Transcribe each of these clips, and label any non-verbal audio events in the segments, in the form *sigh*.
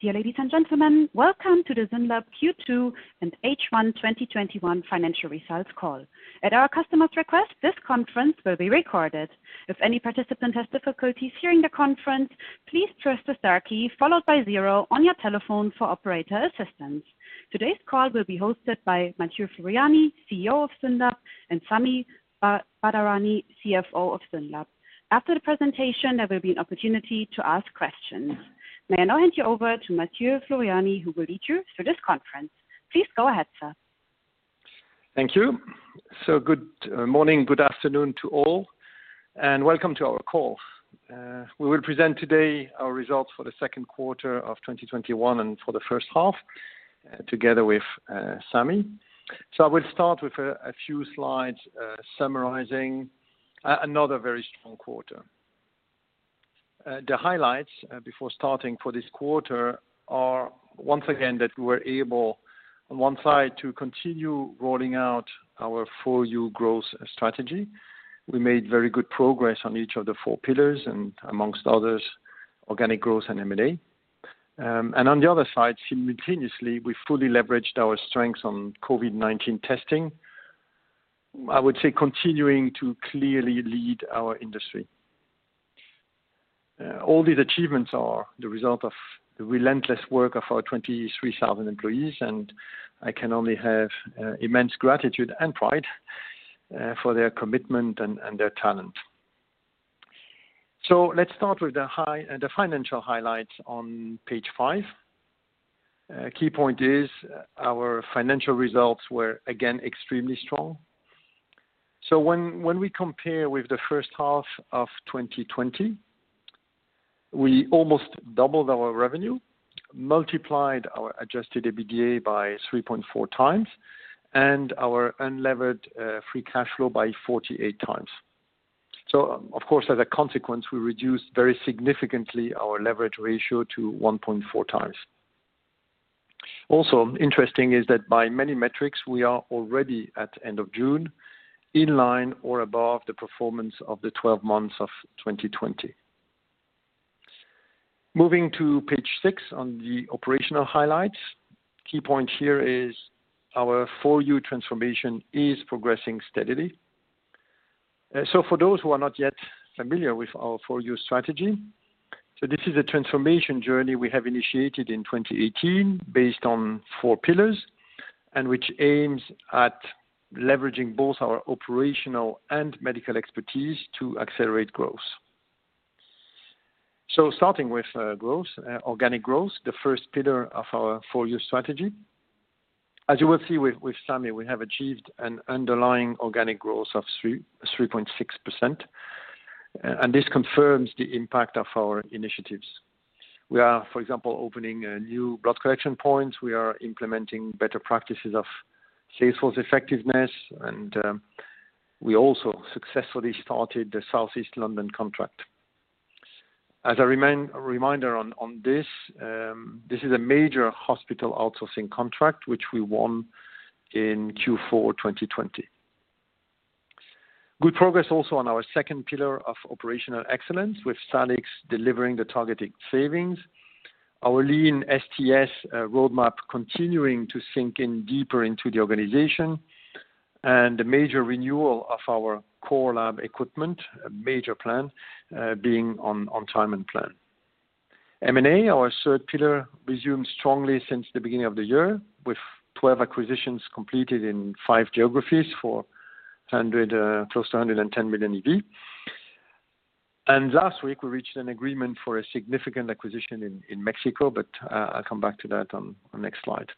Dear ladies and gentlemen, welcome to the SYNLAB Q2 and H1 2021 Financial Results Call. In our customer's request, this conference will be recorded. If any participant has difficulties hearing the conference, please press the star key followed by zero on your telephone for operator's assistance. Today's call will be hosted by Mathieu Floreani, CEO of SYNLAB, and Sami Badarani, CFO of SYNLAB. After the presentation, there will be an opportunity to ask questions. May I now hand you over to Mathieu Floreani, who will lead you through this conference. Please go ahead, sir. Thank you. Good morning, good afternoon to all, and welcome to our call. We will present today our results for the second quarter of 2021 and for the first half, together with Sami. I will start with a few slides summarizing another very strong quarter. The highlights before starting for this quarter are once again that we were able, on one side, to continue rolling out our "FOR YOU" growth strategy. We made very good progress on each of the four pillars and amongst others, organic growth and M&A. On the other side, simultaneously, we fully leveraged our strengths on COVID-19 testing, I would say continuing to clearly lead our industry. All these achievements are the result of the relentless work of our 23,000 employees, and I can only have immense gratitude and pride for their commitment and their talent. Let's start with the financial highlights on page five. A key point is our financial results were again extremely strong. When we compare with the first half of 2020, we almost doubled our revenue, multiplied our adjusted EBITDA by 3.4x, and our unlevered free cash flow by 48x. Of course, as a consequence, we reduced very significantly our leverage ratio to 1.4x. Interesting is that by many metrics, we are already at end of June, in line or above the performance of the 12 months of 2020. Moving to page six on the operational highlights. Key point here is our "FOR YOU" transformation is progressing steadily. For those who are not yet familiar with our "FOR YOU" strategy, this is a transformation journey we have initiated in 2018 based on four pillars, which aims at leveraging both our operational and medical expertise to accelerate growth. Starting with growth, organic growth, the first pillar of our "FOR YOU" strategy. As you will see with Sami, we have achieved an underlying organic growth of 3.6%. This confirms the impact of our initiatives. We are, for example, opening new blood collection points. We are implementing better practices of sales force effectiveness. We also successfully started the South East London contract. As a reminder on this is a major hospital outsourcing contract, which we won in Q4 2020. Good progress also on our second pillar of operational excellence with SALIX delivering the targeted savings. Our Lean STS roadmap continuing to sink in deeper into the organization, and the major renewal of our core lab equipment, a major plan being on time and plan. M&A, our third pillar, resumed strongly since the beginning of the year with 12 acquisitions completed in five geographies for close to 110 million EV. Last week, we reached an agreement for a significant acquisition in Mexico, but I'll come back to that on the next slide.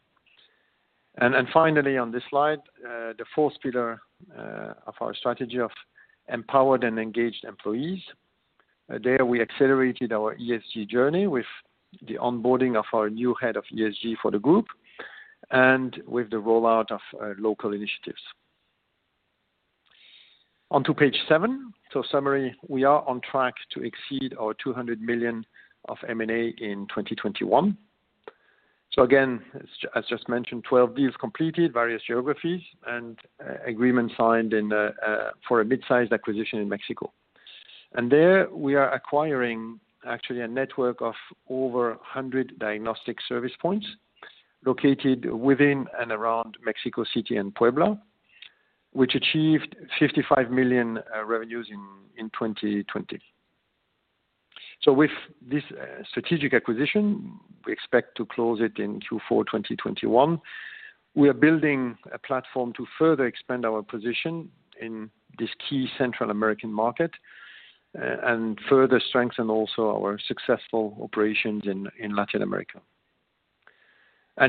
Finally on this slide, the fourth pillar of our strategy of empowered and engaged employees. There, we accelerated our ESG journey with the onboarding of our new Head of ESG for the group and with the rollout of local initiatives. On to page seven. Summary, we are on track to exceed our 200 million of M&A in 2021. Again, as just mentioned, 12 deals completed, various geographies and agreement signed for a mid-sized acquisition in Mexico. There we are acquiring actually a network of over 100 diagnostic service points located within and around Mexico City and Puebla, which achieved 55 million revenues in 2020. With this strategic acquisition, we expect to close it in Q4 2021. We are building a platform to further expand our position in this key Central American market and further strengthen also our successful operations in Latin America.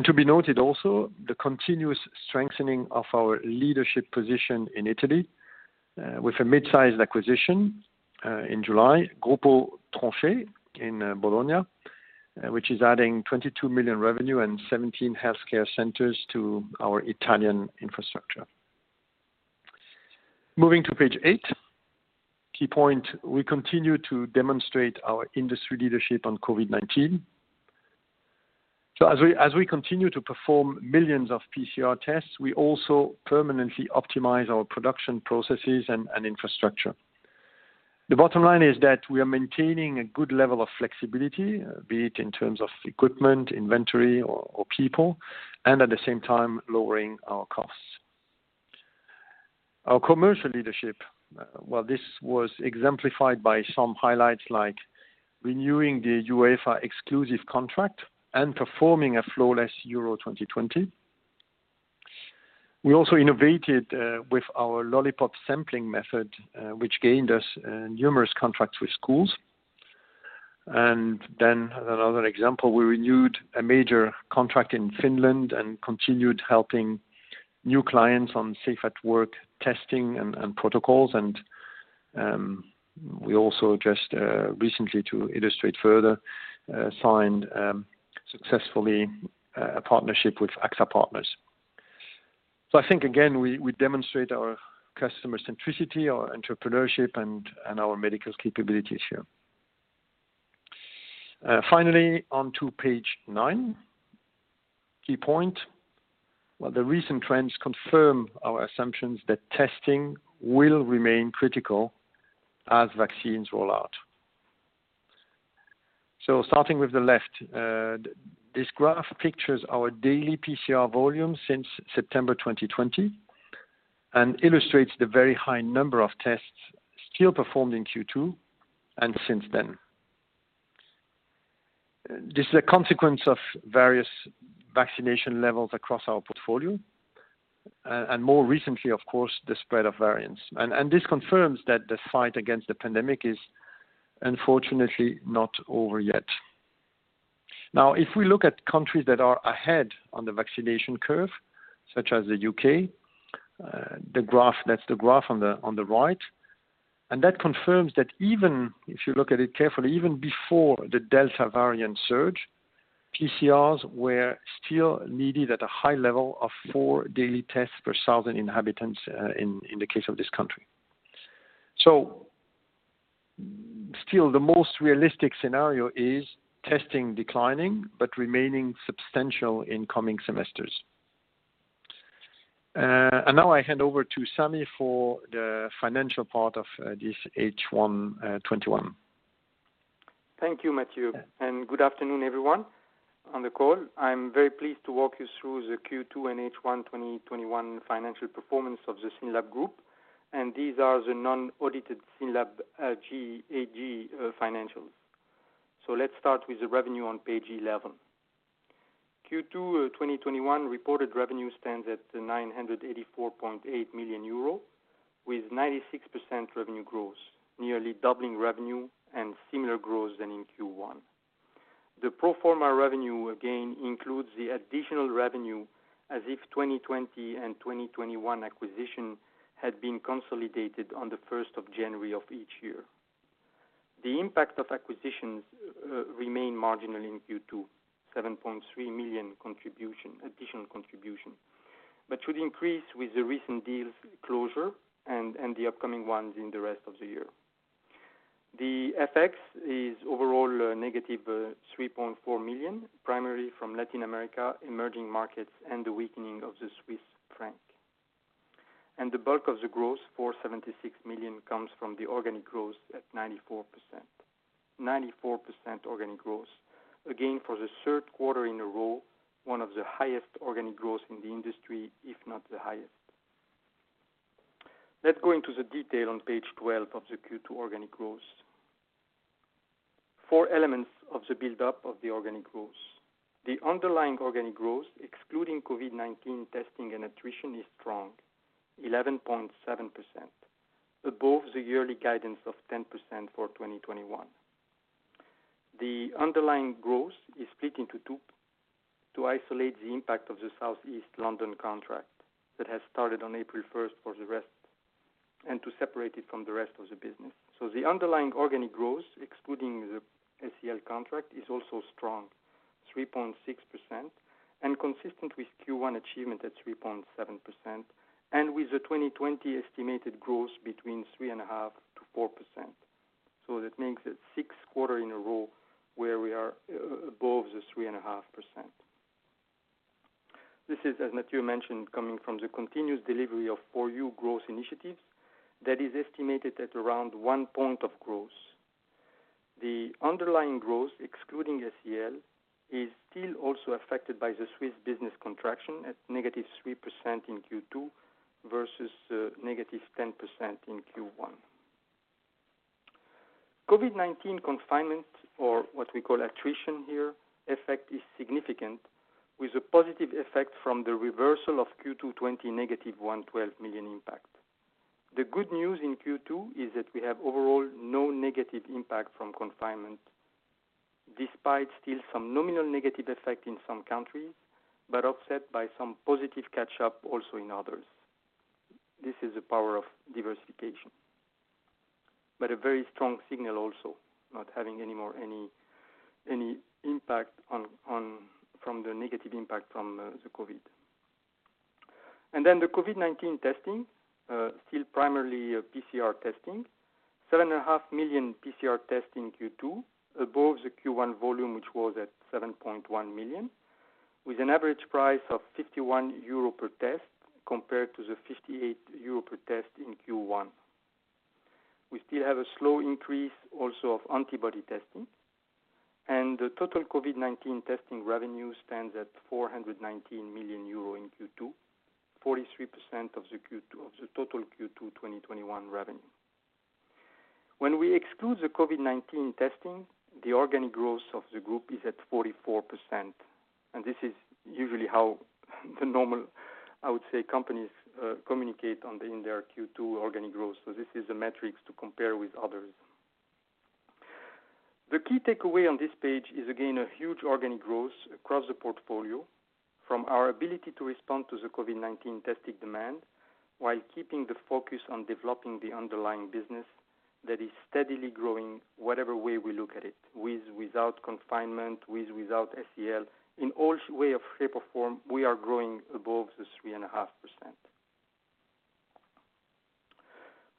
To be noted also, the continuous strengthening of our leadership position in Italy, with a mid-sized acquisition, in July, Gruppo Tronchetti in Bologna, which is adding 22 million revenue and 17 healthcare centers to our Italian infrastructure. Moving to page eight. Key point, we continue to demonstrate our industry leadership on COVID-19. As we continue to perform millions of PCR tests, we also permanently optimize our production processes and infrastructure. The bottom line is that we are maintaining a good level of flexibility, be it in terms of equipment, inventory, or people, and at the same time lowering our costs. Our commercial leadership, well, this was exemplified by some highlights like renewing the UEFA exclusive contract and performing a flawless EURO 2020. We also innovated with our lollipop sampling method, which gained us numerous contracts with schools. Another example, we renewed a major contract in Finland and continued helping new clients on safe-at-work testing and protocols. We also just recently, to illustrate further, signed successfully a partnership with AXA Partners. I think, again, we demonstrate our customer centricity, our entrepreneurship, and our medical capabilities here. On to page nine. Key point, the recent trends confirm our assumptions that testing will remain critical as vaccines roll out. Starting with the left, this graph pictures our daily PCR volume since September 2020 and illustrates the very high number of tests still performed in Q2 and since then. This is a consequence of various vaccination levels across our portfolio. More recently, of course, the spread of variants. This confirms that the fight against the pandemic is unfortunately not over yet. If we look at countries that are ahead on the vaccination curve, such as the U.K., that's the graph on the right. That confirms that even, if you look at it carefully, even before the Delta variant surge, PCRs were still needed at a high level of four daily tests per 1,000 inhabitants in the case of this country. Still the most realistic scenario is testing declining but remaining substantial in coming semesters. Now I hand over to Sami for the financial part of this H1 2021. Thank you, Mathieu. Good afternoon, everyone on the call. I'm very pleased to walk you through the Q2 and H1 2021 financial performance of the SYNLAB group, and these are the non-audited SYNLAB AG financials. Let's start with the revenue on page 11. Q2 2021 reported revenue stands at 984.8 million euro, with 96% revenue growth, nearly doubling revenue and similar growth than in Q1. The pro forma revenue, again, includes the additional revenue as if 2020 and 2021 acquisition had been consolidated on the January 1st of each year. The impact of acquisitions remain marginal in Q2, 7.3 million additional contribution, but should increase with the recent deals closure and the upcoming ones in the rest of the year. The FX is overall negative 3.4 million, primarily from Latin America, emerging markets, and the weakening of the Swiss franc. The bulk of the growth, 476 million, comes from the organic growth at 94%. 94% organic growth. Again, for the third quarter in a row, one of the highest organic growths in the industry, if not the highest. Let's go into the detail on page 12 of the Q2 organic growth. Four elements of the build-up of the organic growth. The underlying organic growth, excluding COVID-19 testing and attrition, is strong, 11.7%, above the yearly guidance of 10% for 2021. The underlying growth is split into two to isolate the impact of the South East London contract that has started on April 1st, and to separate it from the rest of the business. The underlying organic growth, excluding the SEL contract, is also strong, 3.6%, and consistent with Q1 achievement at 3.7%, and with the 2020 estimated growth between 3.5%-4%. That makes it six quarter in a row where we are above the 3.5%. This is, as Mathieu mentioned, coming from the continuous delivery of FOR YOU growth initiatives that is estimated at around one point of growth. The underlying growth, excluding SEL, is still also affected by the Swiss business contraction at -3% in Q2 versus -10% in Q1. COVID-19 confinement, or what we call attrition here, effect is significant, with a positive effect from the reversal of Q2 2020 -112 million impact. The good news in Q2 is that we have overall no negative impact from confinement, despite still some nominal negative effect in some countries, but offset by some positive catch-up also in others. This is the power of diversification. A very strong signal also, not having any more any impact from the negative impact from the COVID. The COVID-19 testing, still primarily PCR testing. 7.5 million PCR tests in Q2, above the Q1 volume, which was at 7.1 million, with an average price of 51 euro per test, compared to the 58 euro per test in Q1. We still have a slow increase also of antibody testing, and the total COVID-19 testing revenue stands at 419 million euro in Q2, 43% of the total Q2 2021 revenue. When we exclude the COVID-19 testing, the organic growth of the group is at 44%. This is usually how the normal, I would say, companies communicate in their Q2 organic growth. This is a metric to compare with others. The key takeaway on this page is, again, a huge organic growth across the portfolio from our ability to respond to the COVID-19 testing demand while keeping the focus on developing the underlying business that is steadily growing whatever way we look at it, with, without confinement, with, without SEL. In all way, shape, or form, we are growing above 3.5%.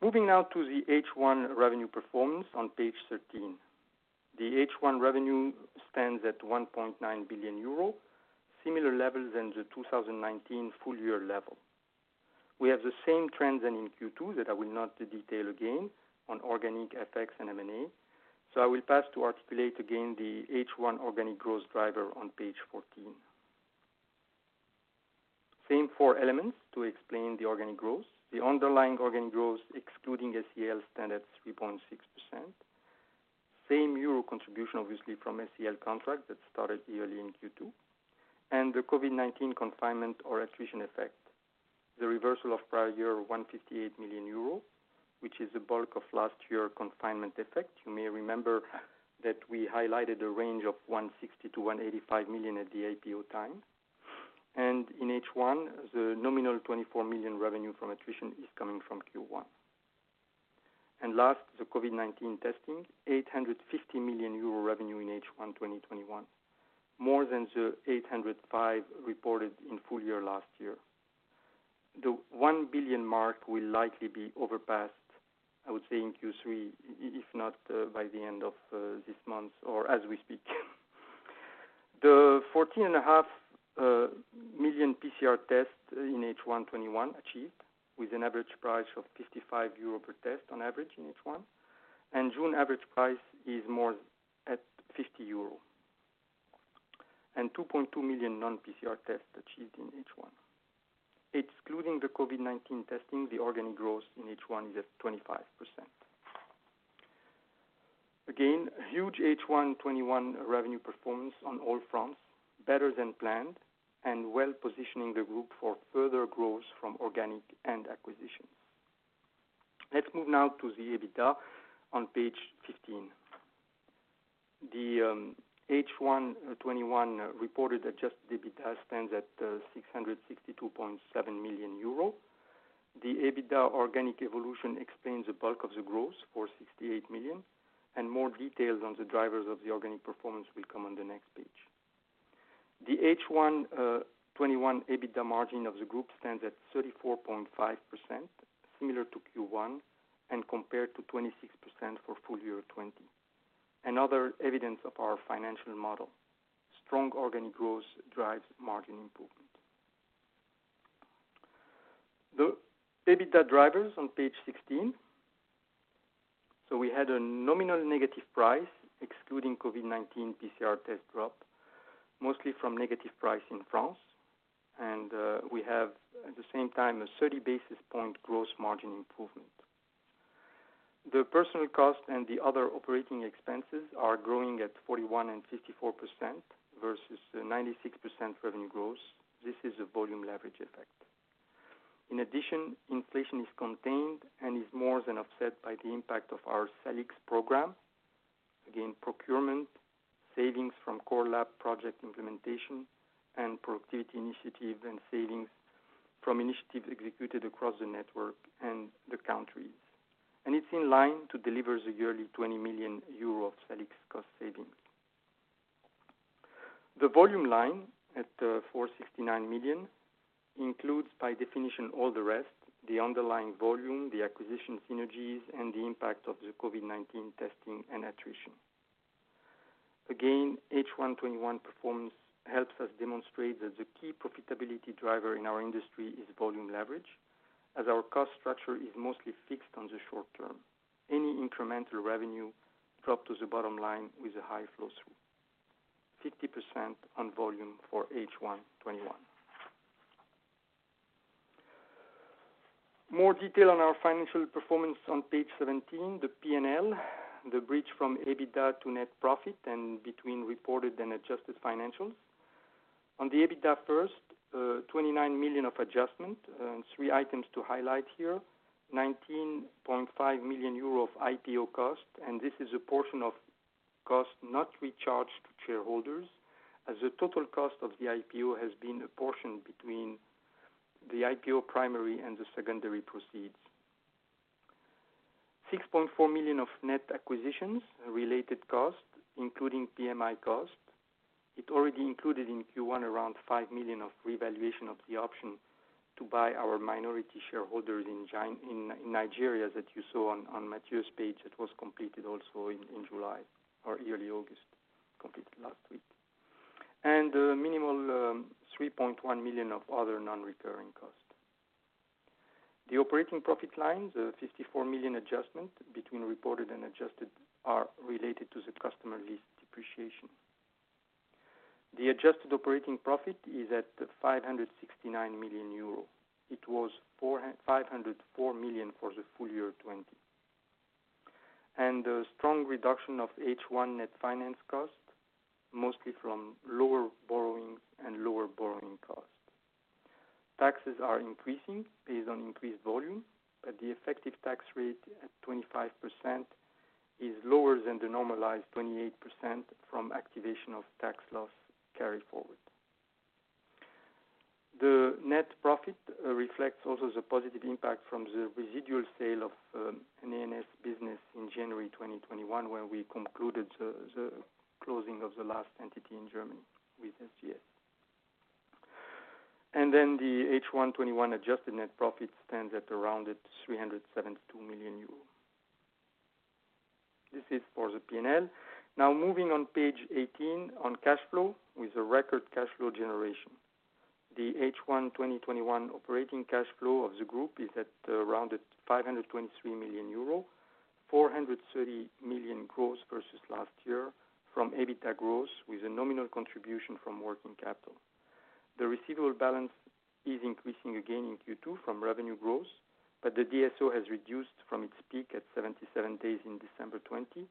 Moving now to the H1 revenue performance on page 13. The H1 revenue stands at 1.9 billion euro, similar level than the 2019 full year level. We have the same trends than in Q2 that I will not detail again on organic, FX, and M&A. I will pass to articulate again the H1 organic growth driver on page 14. Same four elements to explain the organic growth. The underlying organic growth, excluding SEL, stand at 3.6%. Same EUR contribution, obviously, from SEL contract that started early in Q2, and the COVID-19 confinement or attrition effect. The reversal of prior year 158 million euros, which is the bulk of last year confinement effect. You may remember that we highlighted a range of 160 million-185 million at the IPO time. In H1, the nominal 24 million revenue from attrition is coming from Q1. Last, the COVID-19 testing, 850 million euro revenue in H1 2021, more than the 805 million reported in full year last year. The 1 billion mark will likely be overpassed, I would say in Q3, if not by the end of this month or as we speak. The 14.5 million PCR tests in H1 2021 achieved with an average price of 55 euro per test on average in H1. June average price is more at 50 euro. 2.2 million non-PCR tests achieved in H1. Excluding the COVID-19 testing, the organic growth in H1 is at 25%. Again, a huge H1 2021 revenue performance on all fronts, better than planned, and well-positioning the group for further growth from organic and acquisitions. Let's move now to the EBITDA on page 15. The H1 2021 reported adjusted EBITDA stands at 662.7 million euro. The EBITDA organic evolution explains the bulk of the growth for 68 million, and more details on the drivers of the organic performance will come on the next page. The H1 2021 EBITDA margin of the group stands at 34.5%, similar to Q1 and compared to 26% for full year 2020. Another evidence of our financial model. Strong organic growth drives margin improvement. The EBITDA drivers on page 16. We had a nominal negative price, excluding COVID-19 PCR test drop, mostly from negative price in France. We have, at the same time, a 30 basis point gross margin improvement. The personal cost and the other operating expenses are growing at 41% and 54% versus the 96% revenue growth. This is a volume leverage effect. In addition, inflation is contained and is more than offset by the impact of our SALIX program. Again, procurement, savings from core lab project implementation, and productivity initiative and savings from initiatives executed across the network and the countries. It's in line to deliver the yearly 20 million euros SALIX cost savings. The volume line at 469 million includes, by definition, all the rest, the underlying volume, the acquisition synergies, and the impact of the COVID-19 testing and attrition. Again, H1 2021 performance helps us demonstrate that the key profitability driver in our industry is volume leverage, as our cost structure is mostly fixed on the short term. Any incremental revenue drop to the bottom line with a high flow-through. 50% on volume for H1 2021. More detail on our financial performance on page 17, the P&L, the bridge from EBITDA to net profit and between reported and adjusted financials. On the EBITDA first, 29 million of adjustment. Three items to highlight here. 19.5 million euro of IPO cost. This is a portion of cost not recharged to shareholders, as the total cost of the IPO has been apportioned between the IPO primary and the secondary proceeds. 6.4 million of net acquisitions related cost, including PMI cost. It already included in Q1 around 5 million of revaluation of the option to buy our minority shareholders in Nigeria that you saw on Mathieu's page. That was completed also in July or early August, completed last week. Minimal 3.1 million of other non-recurring costs. The operating profit lines, the 54 million adjustment between reported and adjusted are related to the customer list depreciation. The adjusted operating profit is at 569 million euro. It was 504 million for the full year 2020. A strong reduction of H1 net finance cost, mostly from lower borrowings and lower borrowing costs. Taxes are increasing based on increased volume, the effective tax rate at 25% is lower than the normalized 28% from activation of tax loss carried forward. The net profit reflects also the positive impact from the residual sale of an A&S business in January 2021, where we concluded the closing of the last entity in Germany with SGS. The H1 2021 adjusted net profit stands at around 372 million euros. This is for the P&L. Moving on page 18 on cash flow, with a record cash flow generation. The H1 2021 operating cash flow of the group is at around 523 million euro, 430 million growth versus last year from EBITDA growth with a nominal contribution from working capital. The receivable balance is increasing again in Q2 from revenue growth, the DSO has reduced from its peak at 77 days in December 2020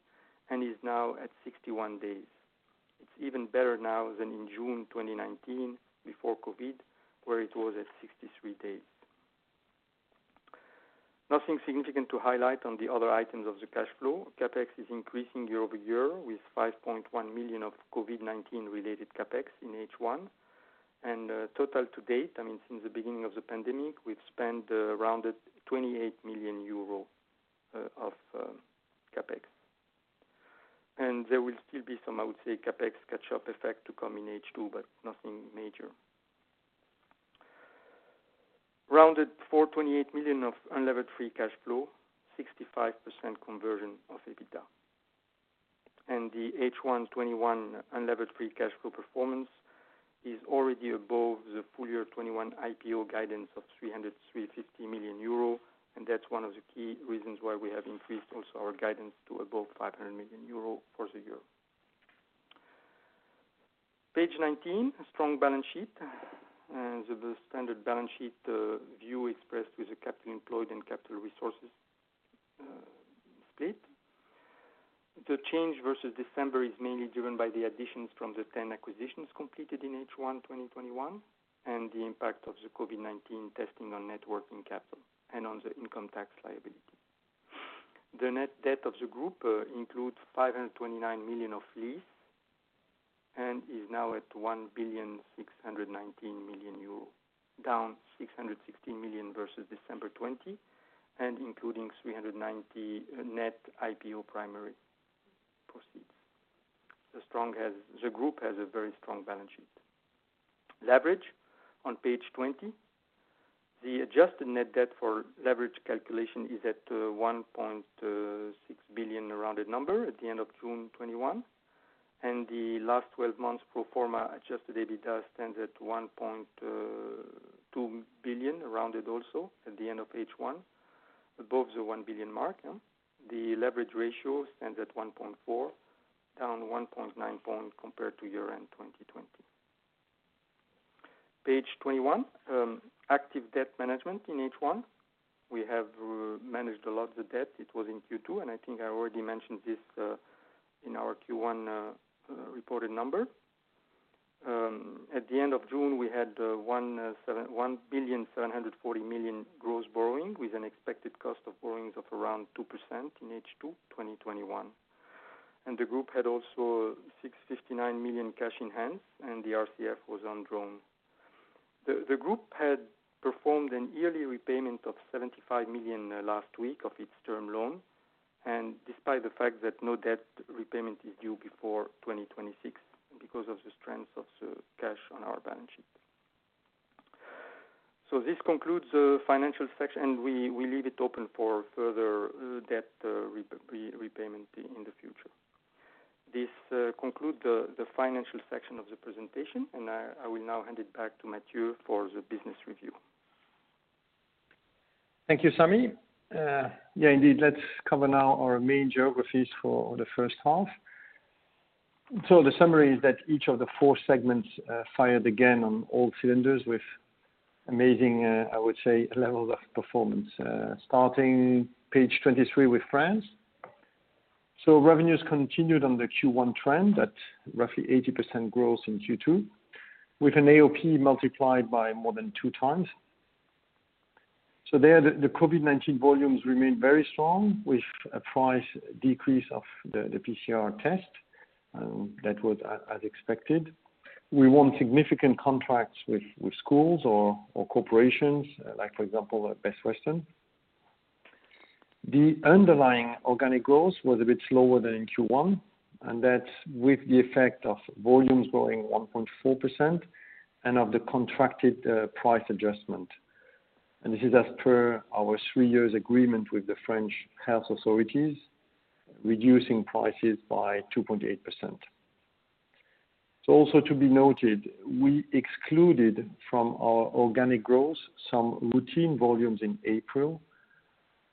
and is now at 61 days. It's even better now than in June 2019 before COVID, where it was at 63 days. Nothing significant to highlight on the other items of the cash flow. CapEx is increasing year-over-year with 5.1 million of COVID-19 related CapEx in H1. Total to date, I mean, since the beginning of the pandemic, we've spent around 28 million euro of CapEx. There will still be some, I would say, CapEx catch-up effect to come in H2. Nothing major. Rounded 428 million of unlevered free cash flow, 65% conversion of EBITDA. The H1 2021 unlevered free cash flow performance is already above the full year 2021 IPO guidance of 300 million-350 million euro, and that's one of the key reasons why we have increased also our guidance to above 500 million euro for the year. Page 19, strong balance sheet. The standard balance sheet view expressed with the capital employed and capital resources state. The change versus December is mainly driven by the additions from the 10 acquisitions completed in H1 2021, and the impact of the COVID-19 testing on net working capital, and on the income tax liability. The net debt of the group includes 529 million of lease, and is now at 1,619,000,000, down 616 million versus December 2020, and including 390 million net IPO primary proceeds. The group has a very strong balance sheet. Leverage on page 20. The adjusted net debt for leverage calculation is at 1.6 billion rounded number at the end of June 2021. The last 12 months pro forma adjusted EBITDA stands at 1.2 billion, rounded also at the end of H1, above the 1 billion mark. The leverage ratio stands at 1.4, down 1.9 point compared to year-end 2020. Page 21, active debt management in H1. We have managed a lot of the debt. It was in Q2, and I think I already mentioned this in our Q1 reported number. At the end of June, we had 1,740,000,000 gross borrowing, with an expected cost of borrowings of around 2% in H2 2021. The group had also 659 million cash in hand, and the RCF was undrawn. The group had performed an yearly repayment of 75 million last week of its term loan, and despite the fact that no debt repayment is due before 2026 because of the strength of the cash on our balance sheet. This concludes the financial section, and we leave it open for further debt repayment in the future. This conclude the financial section of the presentation, and I will now hand it back to Mathieu for the business review. Thank you, Sami. Yeah, indeed. Let's cover now our main geographies for the first half. The summary is that each of the four segments fired again on all cylinders with amazing, I would say, levels of performance. Starting page 23 with France. Revenues continued on the Q1 trend at roughly 80% growth in Q2, with an AOP multiplied by more than 2x. There, the COVID-19 volumes remained very strong with a price decrease of the PCR test. That was as expected. We won significant contracts with schools or corporations, like for example, at Best Western. The underlying organic growth was a bit slower than in Q1, and that with the effect of volumes growing 1.4% and of the contracted price adjustment. This is as per our three years agreement with the French health authorities, reducing prices by 2.8%. It is also to be noted; we excluded from our organic growth some routine volumes in April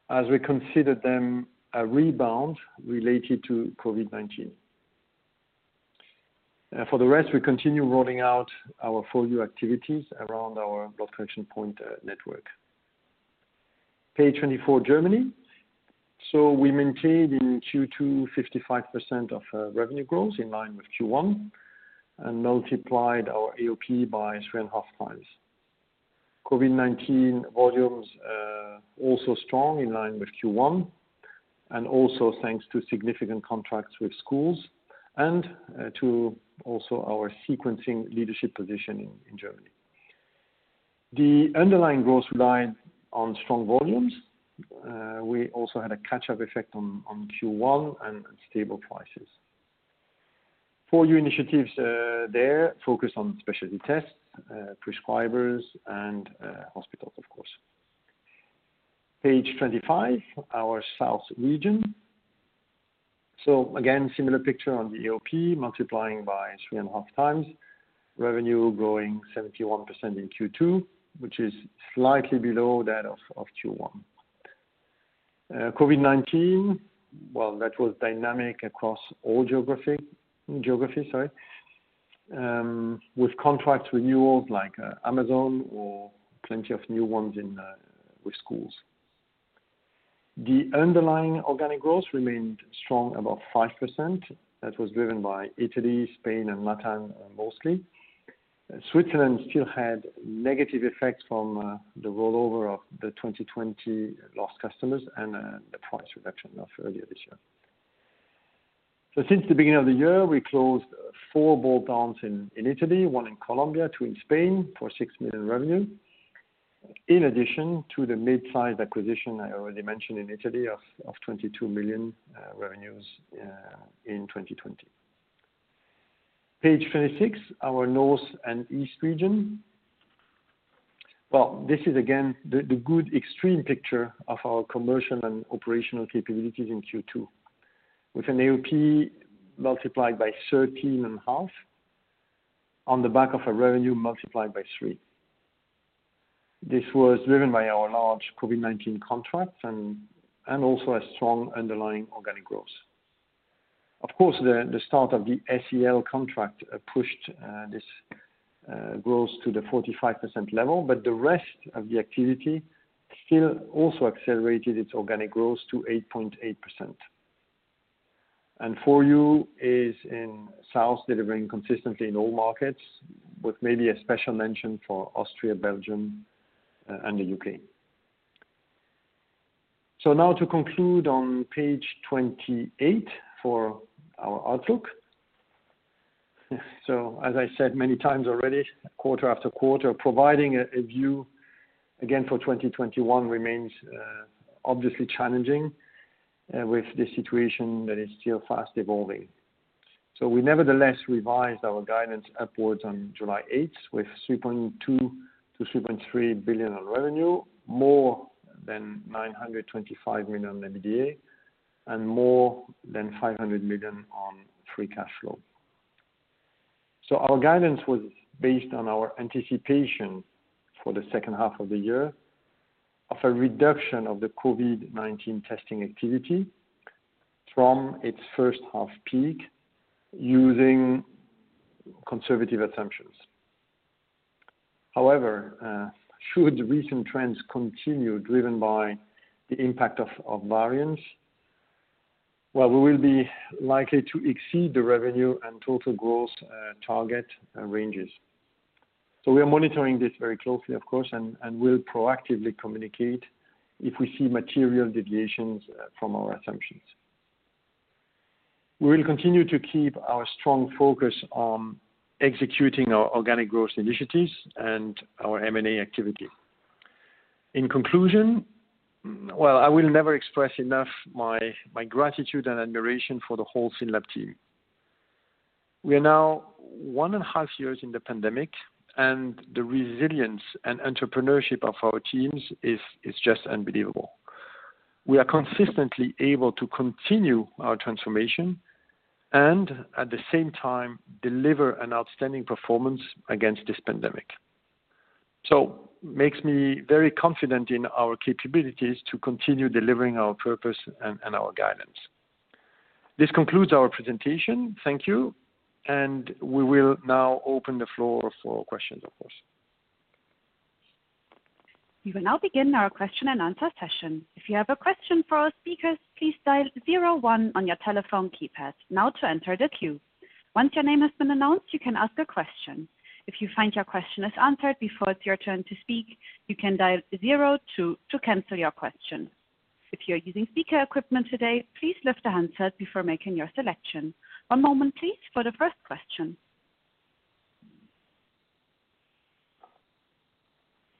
as we considered them a rebound related to COVID-19. For the rest, we continue rolling out our FOR YOU activities around our blood collection point network. Page 24, Germany. We maintained in Q2 55% of revenue growth in line with Q1 and multiplied our AOP by 3.5x. COVID-19 volumes are also strong in line with Q1, and also thanks to significant contracts with schools and to also our sequencing leadership position in Germany. The underlying growth relied on strong volumes. We also had a catch-up effect on Q1 and stable prices. FOR YOU initiatives there focus on specialty tests, prescribers, and hospitals, of course. Page 25, our South region. Again, similar picture on the AOP, multiplying by 3.5x. Revenue growing 71% in Q2, which is slightly below that of Q1. COVID-19, well, that was dynamic across all geographies, with contract renewals like Amazon or plenty of new ones with schools. The underlying organic growth remained strong, about 5%. That was driven by Italy, Spain, and LATAM mostly. Switzerland still had negative effects from the rollover of the 2020 lost customers and the price reduction of earlier this year. Since the beginning of the year, we closed four add-ons in Italy, one in Colombia, two in Spain, for 6 million revenue. In addition to the mid-size acquisition, I already mentioned in Italy of 22 million revenues in 2020. Page 26, our North and East region. Well, this is again the good extreme picture of our commercial and operational capabilities in Q2. With an AOP multiplied by 13.5 on the back of a revenue multiplied by three. This was driven by our large COVID-19 contracts and also a strong underlying organic growth. Of course, the start of the SEL contract pushed this growth to the 45% level, but the rest of the activity still also accelerated its organic growth to 8.8%. FOR YOU is in sales delivering consistently in all markets with maybe a special mention for Austria, Belgium, and the U.K. Now to conclude on page 28 for our outlook. As I said many times already, quarter after quarter, providing a view again for 2021 remains obviously challenging with the situation that is still fast evolving. We nevertheless revised our guidance upwards on July 8th with 3.2 billion-3.3 billion on revenue, more than 925 million EBITDA, and more than 500 million on free cash flow. Our guidance was based on our anticipation for the second half of the year of a reduction of the COVID-19 testing activity from its first half peak using conservative assumptions. However, should recent trends continue driven by the impact of variants, well, we will be likely to exceed the revenue and total growth target ranges. We are monitoring this very closely, of course, and we'll proactively communicate if we see material deviations from our assumptions. We will continue to keep our strong focus on executing our organic growth initiatives and our M&A activity. In conclusion, well, I will never express enough my gratitude and admiration for the whole SYNLAB team. We are now one and a 1/2 years in the pandemic. The resilience and entrepreneurship of our teams is just unbelievable. We are consistently able to continue our transformation and at the same time deliver an outstanding performance against this pandemic. Makes me very confident in our capabilities to continue delivering our purpose and our guidance. This concludes our presentation. Thank you. We will now open the floor for questions, of course. We will now begin our question-and-answer session, if you have a question for our speakers, please dial zero, one on your telephone keypad. Now turn to the queue. Once your name has been announced you can ask a question. If you find your question is answered before your turn to speak you can dial zero, two to cancel your question. If you're using speaker equipment today, please left a hand first before making your selection. A moment please for the first question.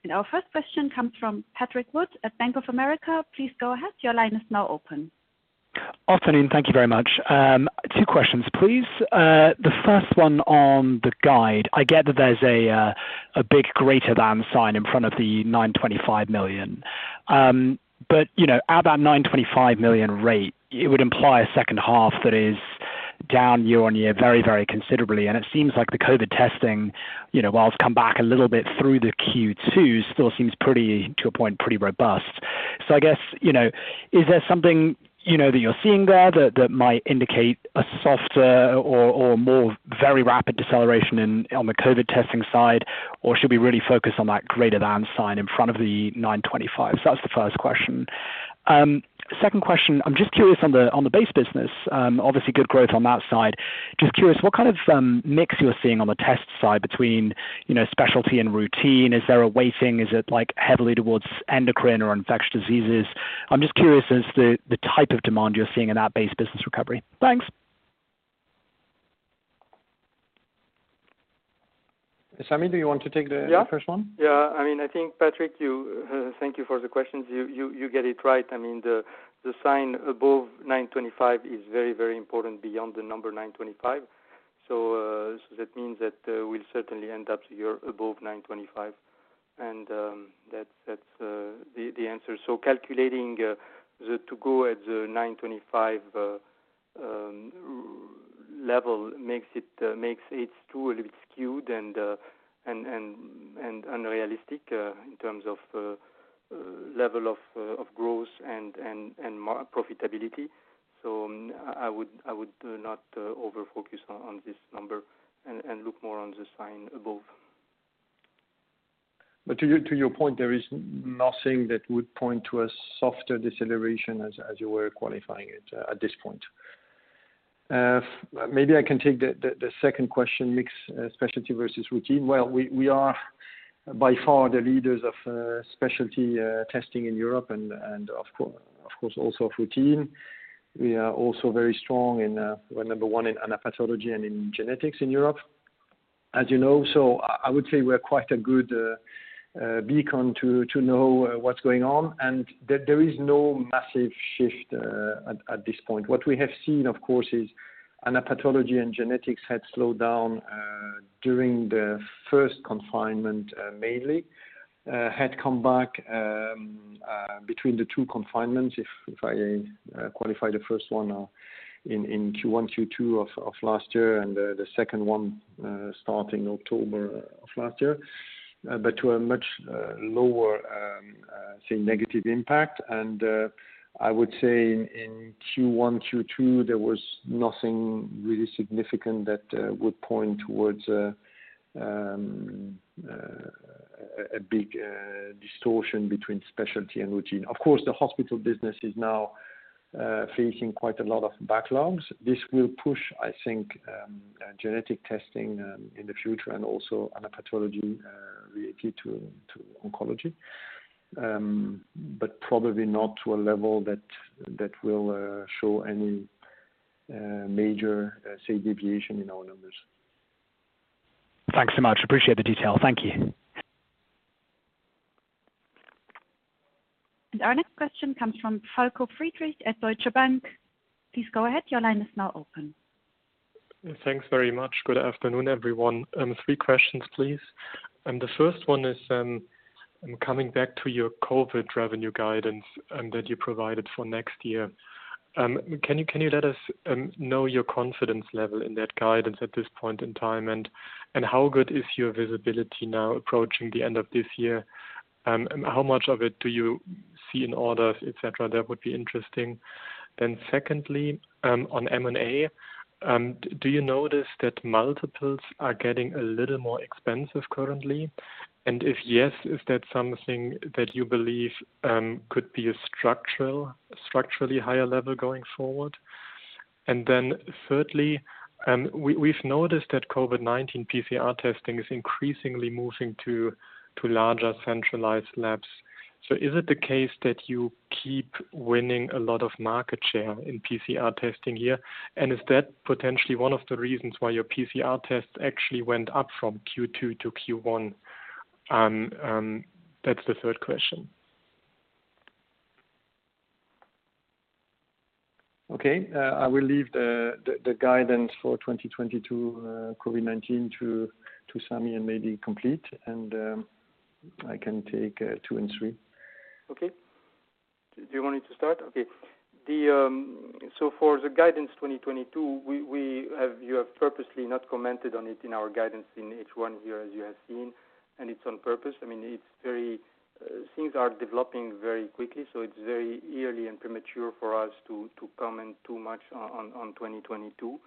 Our first question comes from Patrick Wood at Bank of America. Please go ahead. Your line is now open. Thank you very much. Two questions, please. The first one on the guide, I get that there's a big greater than sign in front of the 925 million. At that 925 million rate, it would imply a second half that is down year-on-year very, very considerably. It seems like the COVID testing, while it's come back a little bit through the Q2, still seems to a point pretty robust. I guess, is there something that you're seeing there that might indicate a softer or more very rapid deceleration on the COVID testing side? Should we really focus on that greater than sign in front of the 925? That's the first question. Second question. I'm just curious on the base business, obviously good growth on that side. Just curious what kind of mix you're seeing on the test side between specialty and routine. Is there a weighting? Is it heavily towards endocrine or infectious diseases? I'm just curious as to the type of demand you're seeing in that base business recovery. Thanks. Sami, do you want to take the first one? Yeah. I think, Patrick, thank you for the questions. You get it right. The sign above 925 is very, very important beyond the number 925. That means that we'll certainly end up the year above 925, and that's the answer. Calculating to go at the 925 level makes it H2 a little bit skewed and unrealistic in terms of level of growth and profitability. I would not over-focus on this number and look more on the sign above. To your point, there is nothing that would point to a softer deceleration as you were qualifying it at this point. Maybe I can take the second question, mix specialty versus routine. Well, we are by far the leaders of specialty testing in Europe and of course also of routine. We are also very strong in, we're number one in anatomic pathology and in genetics in Europe, as you know. I would say we're quite a good beacon to know what's going on and there is no massive shift at this point. What we have seen, of course, is anatomic pathology and genetics had slowed down during the first confinement mainly. Had come back between the two confinements, if I qualify the first one in Q1, Q2 of last year and the second one starting October of last year. To a much lower negative impact. I would say in Q1, Q2, there was nothing really significant that would point towards a big distortion between specialty and routine. Of course, the hospital business is now facing quite a lot of backlogs. This will push, I think, genetic testing in the future and also anatomic pathology related to oncology. Probably not to a level that will show any major, say, deviation in our numbers. Thanks so much. Appreciate the detail. Thank you. Our next question comes from Falko Friedrichs at Deutsche Bank. Please go ahead. Your line is now open. Thanks very much. Good afternoon, everyone. Three questions, please. The first one is, coming back to your COVID revenue guidance that you provided for next year. Can you let us know your confidence level in that guidance at this point in time, and how good is your visibility now approaching the end of this year? How much of it do you see in orders, et cetera? That would be interesting. Secondly, on M&A, do you notice that multiples are getting a little more expensive currently? If yes, is that something that you believe could be a structurally higher level going forward? Thirdly, we've noticed that COVID-19 PCR testing is increasingly moving to larger centralized labs. Is it the case that you keep winning a lot of market share in PCR testing here? Is that potentially one of the reasons why your PCR tests actually went up from Q2 to Q1? That's the third question. Okay. I will leave the guidance for 2022 COVID-19 to Sami and maybe complete, and I can take two and three. Okay. Do you want me to start? Okay. For the guidance 2022, we have purposely not commented on it in our guidance in H1 here as you have seen, and it's on purpose. Things are developing very quickly, so it's very early and premature for us to comment too much on 2022.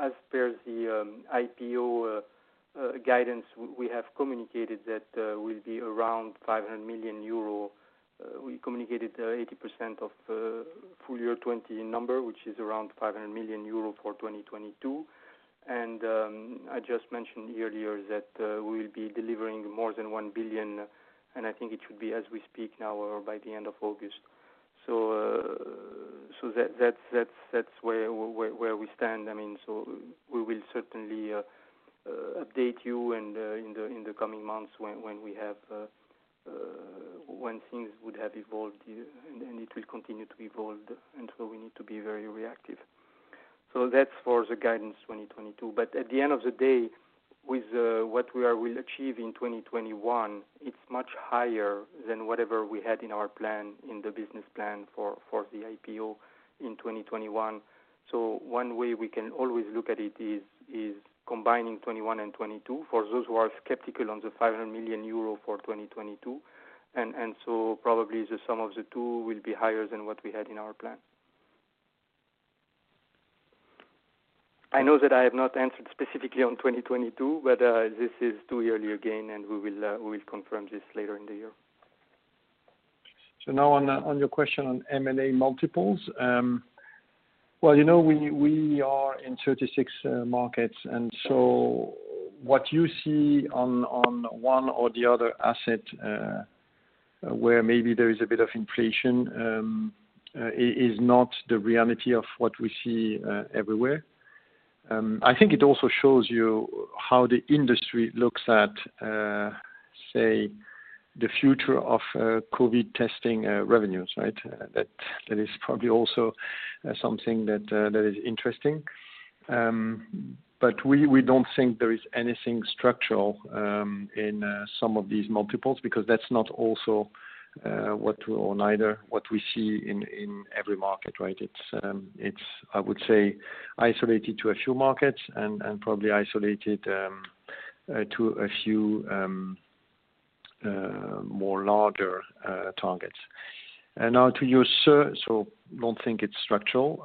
As per the IPO guidance, we have communicated that will be around 500 million euro. We communicated 80% of full year 2020 number, which is around 500 million euro for 2022. I just mentioned earlier that we'll be delivering more than 1 billion, and I think it should be as we speak now or by the end of August. That's where we stand. We will certainly update you in the coming months when things would have evolved, and it will continue to evolve, and so we need to be very reactive. That's for the guidance 2022. At the end of the day, with what we will achieve in 2021, it's much higher than whatever we had in our plan, in the business plan for the IPO in 2021. One way we can always look at it is combining 2021 and 2022, for those who are skeptical on the 500 million euro for 2022. Probably the sum of the two will be higher than what we had in our plan. I know that I have not answered specifically on 2022, but this is too early again, and we will confirm this later in the year. Now on your question on M&A multiples. Well, we are in 36 markets, and so what you see on one or the other asset, where maybe there is a bit of inflation, is not the reality of what we see everywhere. I think it also shows you how the industry looks at, say, the future of COVID testing revenues, right. That is probably also something that is interesting. But we don't think there is anything structural in some of these multiples because that's not also what we see in every market, right. It's, I would say, isolated to a few markets and probably isolated to a few more larger targets. Don't think it's structural.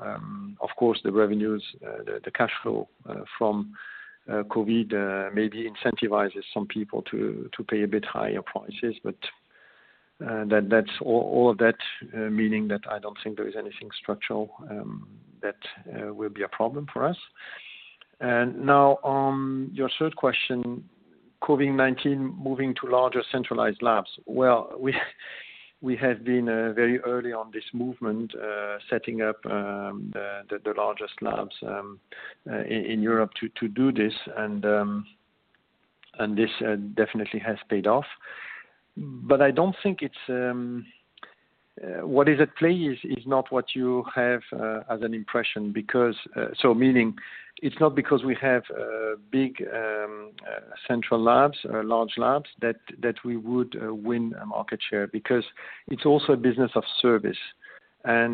Of course, the revenues, the cash flow from COVID maybe incentivizes some people to pay a bit higher prices. All of that meaning that I don't think there is anything structural that will be a problem for us. Now on your third question, COVID-19 moving to larger centralized labs. Well, we have been very early on this movement setting up the largest labs in Europe to do this, and this definitely has paid off. I don't think what is at play is not what you have as an impression. Meaning it's not because we have big central labs or large labs that we would win a market share because it's also a business of service.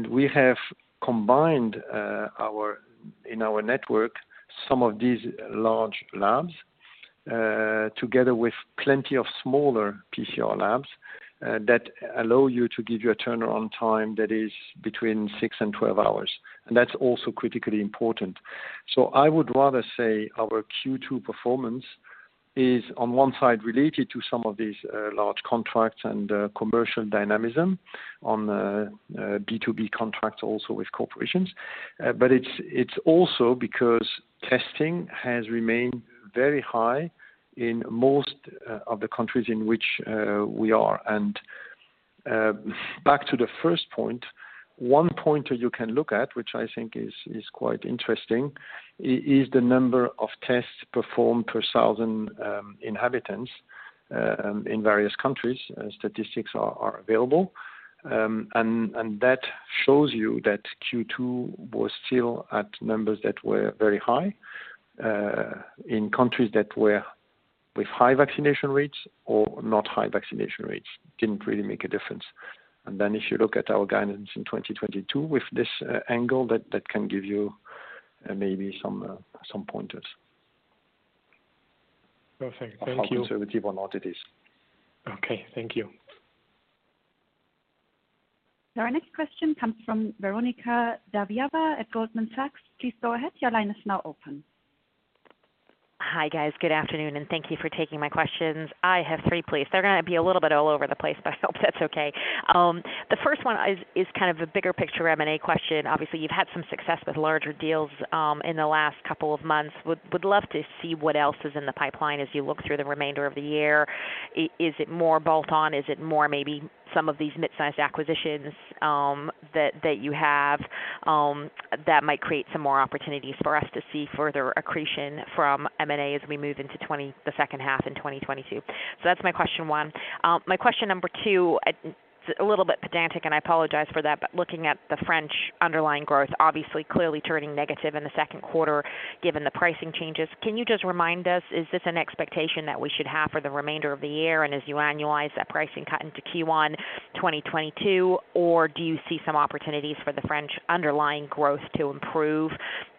We have combined in our network some of these large labs together with plenty of smaller PCR labs that allow you to give you a turnaround time that is between six and 12 hours, and that's also critically important. I would rather say our Q2 performance is on one side related to some of these large contracts and commercial dynamism on B2B contracts also with corporations. It's also because testing has remained very high in most of the countries in which we are. Back to the first point, one point that you can look at, which I think is quite interesting, is the number of tests performed per 1,000 inhabitants in various countries. Statistics are available. That shows you that Q2 was still at numbers that were very high in countries that were with high vaccination rates or not high vaccination rates, didn't really make a difference. If you look at our guidance in 2022 with this angle that can give you maybe some pointers *crosstalk* Perfect. Thank you. --on how conservative or not it is. Okay. Thank you. Our next question comes from Veronika Dubajova at Goldman Sachs. Please go ahead. Your line is now open. Hi, guys. Good afternoon. Thank you for taking my questions. I have three, please. They're going to be a little bit all over the place. I hope that's okay. The first one is kind of a bigger picture M&A question. Obviously, you've had some success with larger deals in the last couple of months. Would love to see what else is in the pipeline as you look through the remainder of the year. Is it more bolt-on? Is it more maybe some of these midsize acquisitions that you have that might create some more opportunities for us to see further accretion from M&A as we move into the second half in 2022? That's my question one. My question number two, a little bit pedantic, and I apologize for that. Looking at the French underlying growth, obviously clearly turning negative in the second quarter, given the pricing changes. Can you just remind us, is this an expectation that we should have for the remainder of the year and as you annualize that pricing cut into Q1 2022, or do you see some opportunities for the French underlying growth to improve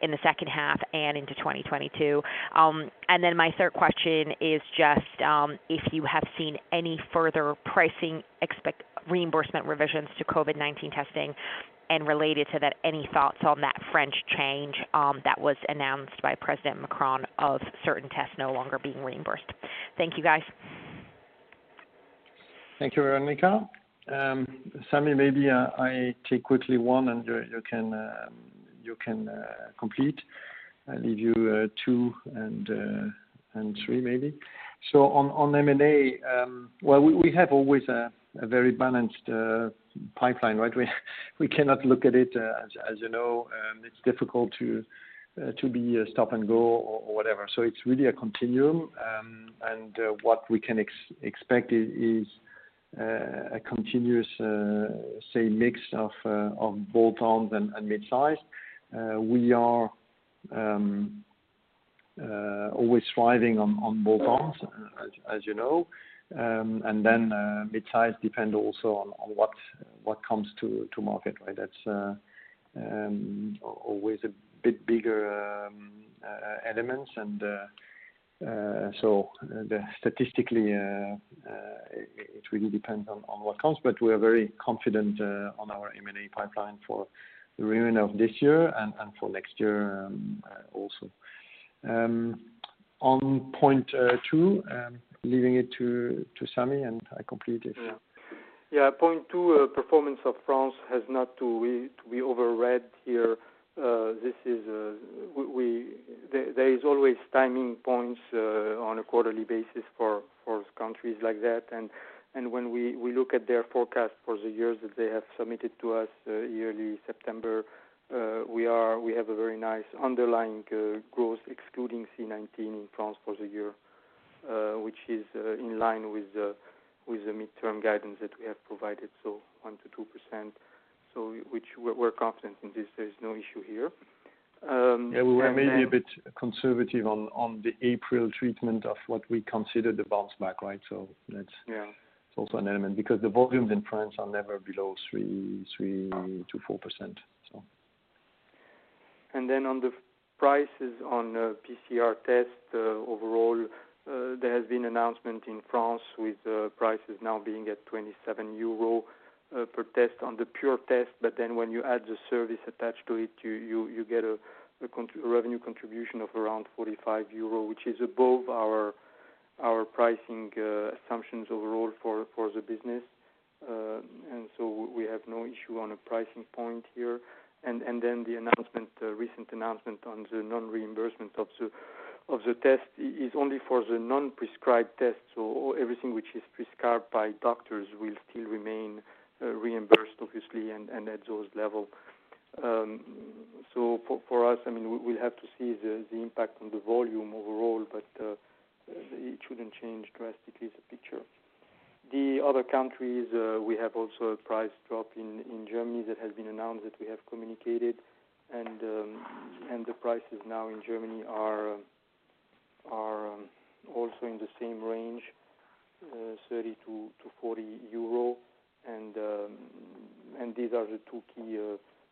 in the second half and into 2022? My third question is just if you have seen any further pricing reimbursement revisions to COVID-19 testing, and related to that, any thoughts on that French change that was announced by President Macron of certain tests no longer being reimbursed. Thank you, guys. Thank you, Veronika. Sami, maybe I take quickly one and you can complete. I'll leave you two and three maybe. Well, on M&A, we have always a very balanced pipeline. We cannot look at it, as you know, it's difficult to be a stop-and-go or whatever. It's really a continuum. What we can expect is a continuous, say, mix of bolt-ons and mid-size. We are always thriving on bolt-ons, as you know. Mid-size depend also on what comes to market. That's always a bit bigger elements, statistically, it really depends on what comes. We are very confident on our M&A pipeline for the remainder of this year and for next year also. On point two, I'm leaving it to Sami, and I complete it. Yeah. Point two, performance of France has not to be overread here. There is always timing points on a quarterly basis for countries like that. When we look at their forecast for the years that they have submitted to us yearly, September, we have a very nice underlying growth excluding C-19 in France for the year, which is in line with the midterm guidance that we have provided. 1%-2%, which we're confident in this. There is no issue here. *crosstalk* Yeah. We were maybe a bit conservative on the April treatment of what we consider the bounce back. Yeah. It's also an element because the volumes in France are never below 3%-4%. On the prices on PCR tests overall, there has been announcement in France with prices now being at 27 euros per test on the pure test. When you add the service attached to it, you get a revenue contribution of around 45 euro, which is above our pricing assumptions overall for the business. We have no issue on a pricing point here. The recent announcement on the non-reimbursement of the test is only for the non-prescribed tests. Everything which is prescribed by doctors will still remain reimbursed, obviously, and at those level. For us, we'll have to see the impact on the volume overall, but it shouldn't change drastically the picture. The other countries, we have also a price drop in Germany that has been announced, that we have communicated, the prices now in Germany are also in the same range, 30-40 euro. These are the two key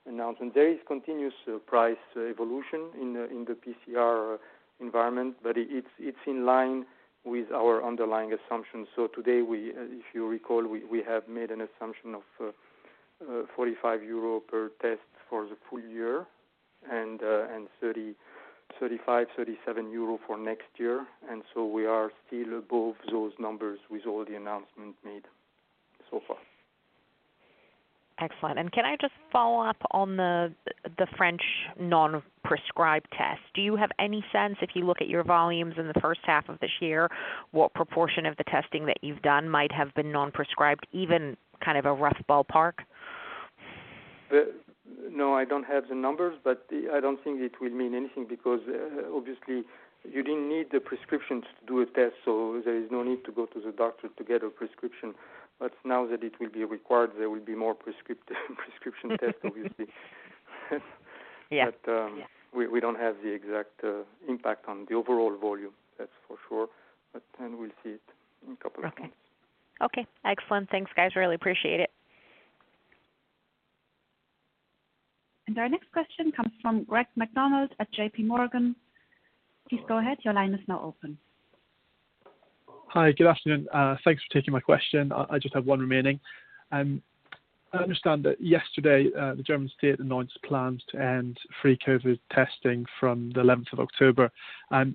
announcement. There is continuous price evolution in the PCR environment, but it's in line with our underlying assumptions. Today, if you recall, we have made an assumption of 45 euro per test for the full year and 35 euro, 37 euro for next year. We are still above those numbers with all the announcements made so far. Excellent. Can I just follow up on the French non-prescribed test? Do you have any sense, if you look at your volumes in the first half of this year, what proportion of the testing that you've done might have been non-prescribed, even kind of a rough ballpark? No, I don't have the numbers, but I don't think it will mean anything because obviously you didn't need the prescriptions to do a test, so there is no need to go to the doctor to get a prescription. Now that it will be required, there will be more prescription tests, obviously. Yeah. We don't have the exact impact on the overall volume, that's for sure. We'll see it in a couple of months. Okay. Excellent. Thanks, guys. Really appreciate it. Our next question comes from Greg MacDonald at JPMorgan. Please go ahead. Your line is now open. Hi. Good afternoon. Thanks for taking my question. I just have one remaining. I understand that yesterday, the German state announced plans to end free COVID testing from the October 11th.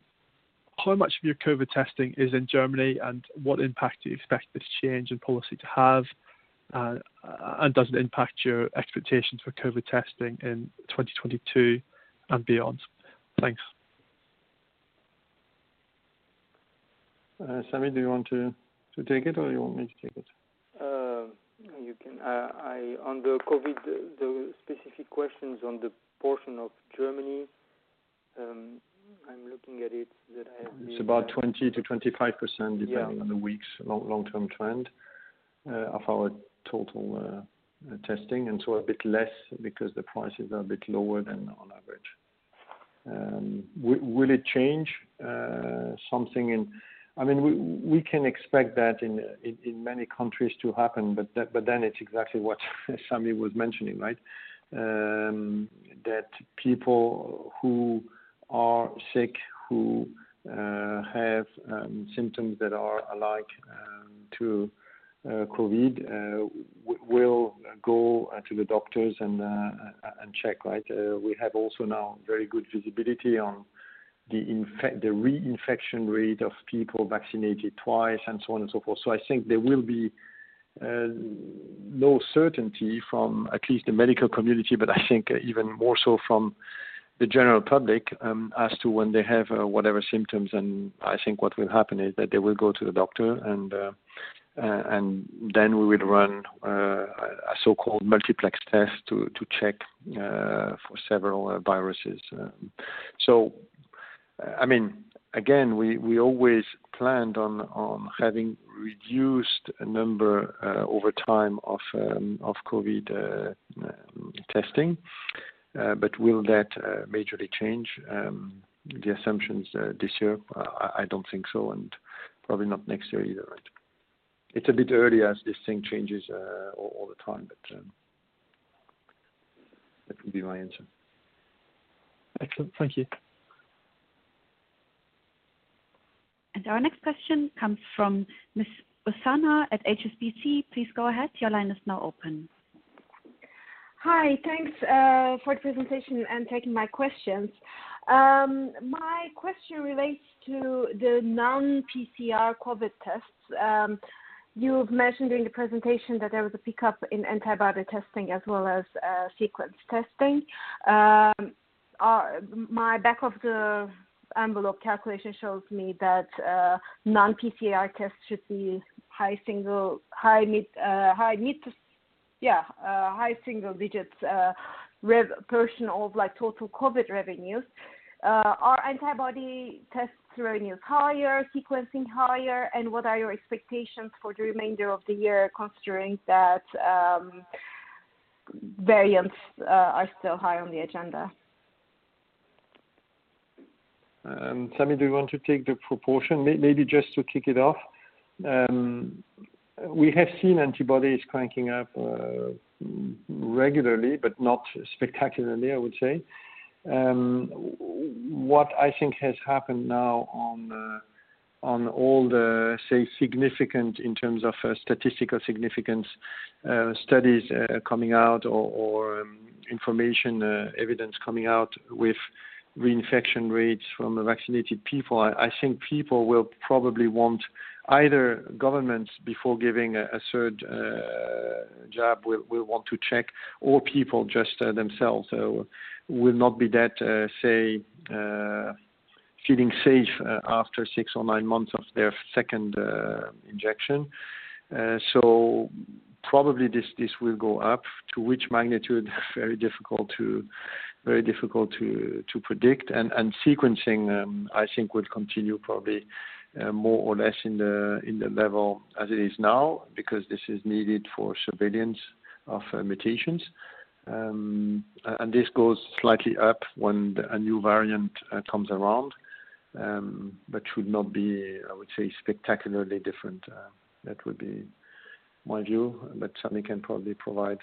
How much of your COVID testing is in Germany, and what impact do you expect this change in policy to have? Does it impact your expectations for COVID testing in 2022 and beyond? Thanks. Sami, do you want to take it or you want me to take it? You can. On the COVID, the specific questions on the portion of Germany, I'm looking at it that I have here. It's about 20%-25% *crosstalk* depending on the week's long-term trend of our total testing, and so a bit less because the prices are a bit lower than on average. Will it change something? We can expect that in many countries to happen, but then it's exactly what Sami was mentioning. People who are sick, who have symptoms that are alike to COVID will go to the doctors and check. We have also now very good visibility on the reinfection rate of people vaccinated twice and so on and so forth. I think there will be no certainty from at least the medical community, but I think even more so from the general public as to when they have whatever symptoms. I think what will happen is that they will go to the doctor and then we will run a so-called multiplex test to check for several viruses. Again, we always planned on having reduced a number over time of COVID testing. Will that majorly change the assumptions this year? I don't think so, and probably not next year either. It's a bit early as this thing changes all the time, but that would be my answer. Excellent. Thank you. Our next question comes from Ms. Ozener at HSBC. Please go ahead. Your line is now open. Hi. Thanks for the presentation and taking my questions. My question relates to the non-PCR COVID tests. You've mentioned during the presentation that there was a pickup in antibody testing as well as sequence testing. My back of the envelope calculation shows me that non-PCR tests should be high single digits portion of total COVID revenues. Are antibody tests revenues higher, sequencing higher? What are your expectations for the remainder of the year, considering that variants are still high on the agenda? Sami, do you want to take the proportion? Maybe just to kick it off. We have seen antibodies cranking up regularly, but not spectacularly, I would say. What I think has happened now on all the, say significant in terms of statistical significance, studies coming out or information evidence coming out with reinfection rates from vaccinated people. I think people will probably want either governments before giving a third jab will want to check, or people just themselves will not be that feeling safe after six or nine months of their second injection. Probably this will go up. To which magnitude, very difficult to predict. Sequencing, I think, will continue probably more or less in the level as it is now, because this is needed for surveillance of mutations. This goes slightly up when a new variant comes around, but should not be, I would say, spectacularly different. That would be my view. Sami can probably provide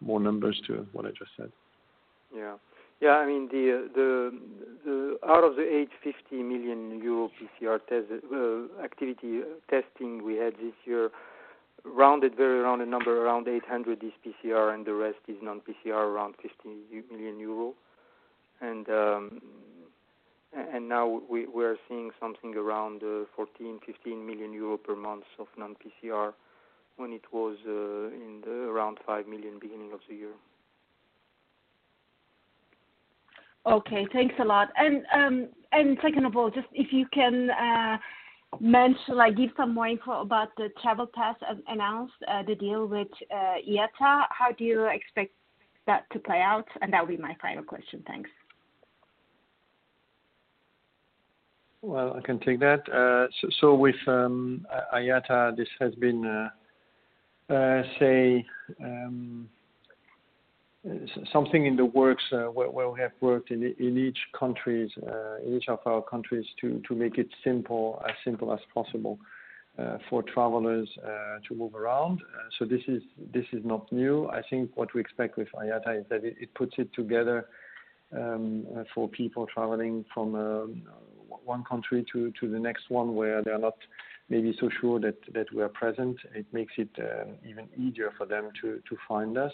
more numbers to what I just said. Yeah. Out of the 850 million euro PCR activity testing we had this year, very rounded number, around 800 is PCR and the rest is non-PCR, around 15 million euro. Now we're seeing something around 14 million euro, 15 million euro per month of non-PCR when it was in the around 5 million beginning of the year. Okay. Thanks a lot. Second of all, just if you can mention, give some more info about the travel test announced, the deal with IATA. How do you expect that to play out? That will be my final question. Thanks. Well, I can take that. With IATA, this has been something in the works where we have worked in each of our countries to make it as simple as possible for travelers to move around. This is not new. I think what we expect with IATA is that it puts it together for people traveling from one country to the next one where they're not maybe so sure that we are present. It makes it even easier for them to find us.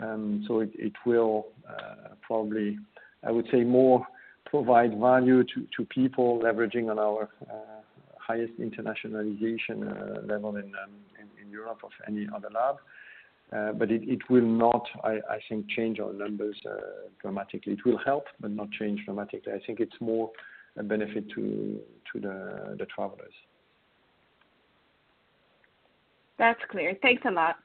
It will probably, I would say, more provide value to people leveraging on our highest internationalization level in Europe of any other lab. It will not, I think, change our numbers dramatically. It will help but not change dramatically. I think it's more a benefit to the travelers. That's clear. Thanks a lot.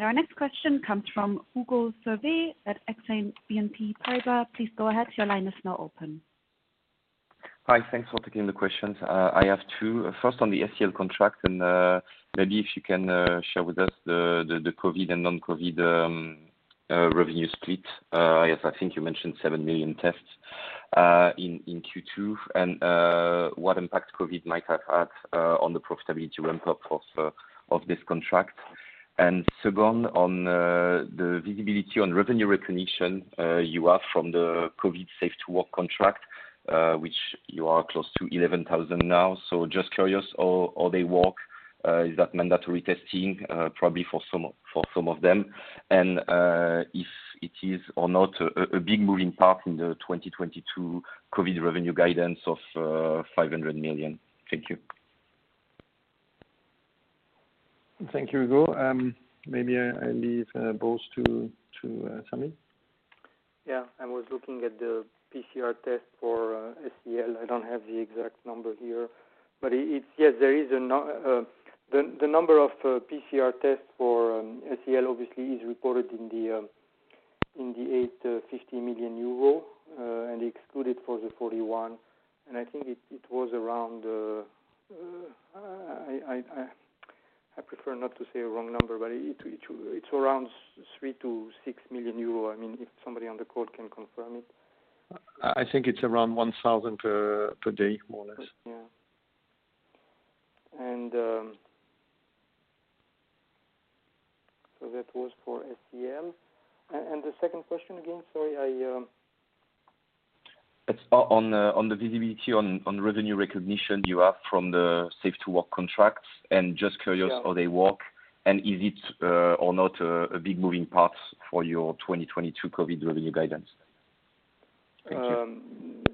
Our next question comes from Hugo Solvet at Exane BNP Paribas. Please go ahead. Your line is now open. Hi. Thanks for taking the questions. I have two. First on the SEL contract. Maybe if you can share with us the COVID and non-COVID revenue split. I guess I think you mentioned 7 million tests in Q2. What impact COVID might have had on the profitability ramp-up of this contract. Second, on the visibility on revenue recognition, you are from the COVID safe-at-work contract, which you are close to 11,000 now. Just curious how they work. Is that mandatory testing, probably for some of them? If it is or not a big moving part in the 2022 COVID revenue guidance of 500 million. Thank you. Thank you, Hugo. Maybe I leave both to Sami. Yeah. I was looking at the PCR test for SEL. I don't have the exact number here. Yes, the number of PCR tests for SEL obviously is reported in the 850 million euro and excluded for the 41. I prefer not to say a wrong number, but it is around 3 million-6 million euro. If somebody on the call can confirm it. I think it's around 1,000 per day, more or less. Yeah. That was for SEL. The second question again? It's on the visibility on revenue recognition you have from the safe-at-work contracts. Sure. How they work and is it or not a big moving part for your 2022 COVID revenue guidance. Thank you.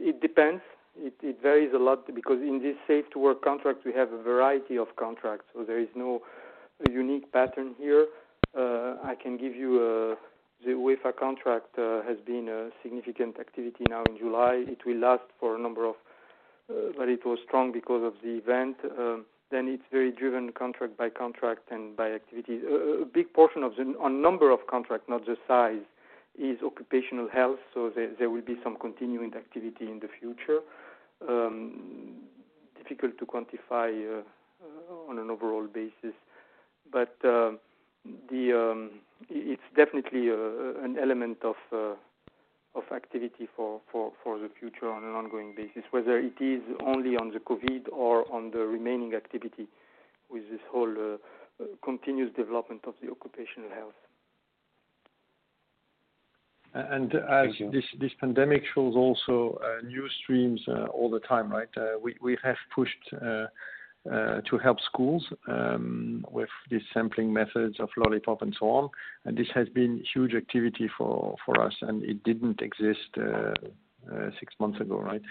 It depends. It varies a lot because in this safe-at-work contract, we have a variety of contracts, so there is no unique pattern here. I can give you the UEFA contract has been a significant activity now in July. It will last for a number of. It was strong because of the event. It's very driven contract by contract and by activity. A big portion of the, on number of contract, not just size, is occupational health. There will be some continuing activity in the future. Difficult to quantify on an overall basis. It's definitely an element of activity for the future on an ongoing basis, whether it is only on the COVID or on the remaining activity with this whole continuous development of the occupational health. As this pandemic shows also new streams all the time, right? We have pushed to help schools with these sampling methods of lollipop and so on. This has been huge activity for us, and it didn't exist six months ago, right?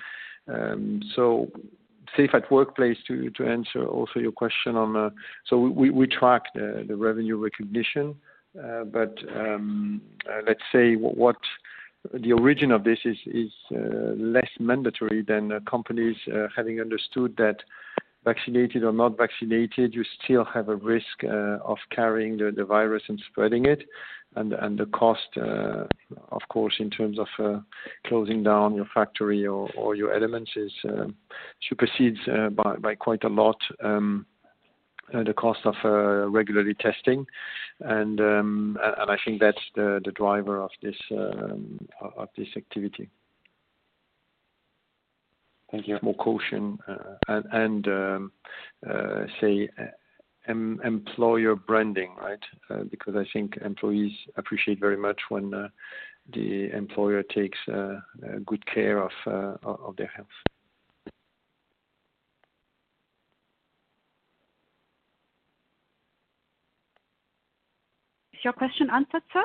safe-at-work to answer also your question on the. We track the revenue recognition. Let's say what the origin of this is less mandatory than companies having understood that vaccinated or not vaccinated, you still have a risk of carrying the virus and spreading it. The cost, of course, in terms of closing down your factory or your elements supersedes by quite a lot the cost of regularly testing. I think that's the driver of this activity. Thank you. More caution and say employer branding, right? Because I think employees appreciate very much when the employer takes good care of their health. Is your question answered, sir?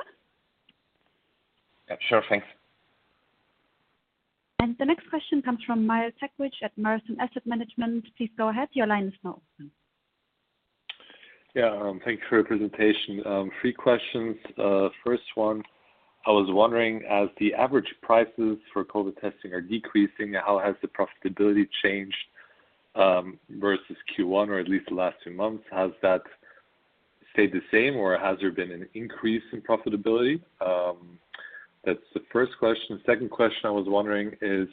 Sure. Thanks. The next question comes from [Miles Teckwich] at Marathon Asset Management. Please go ahead. Yeah. Thanks for the presentation. Three questions. First one, I was wondering, as the average prices for COVID testing are decreasing, how has the profitability changed, versus Q1 or at least the last two months? Has that stayed the same or has there been an increase in profitability? That's the first question. Second question I was wondering is,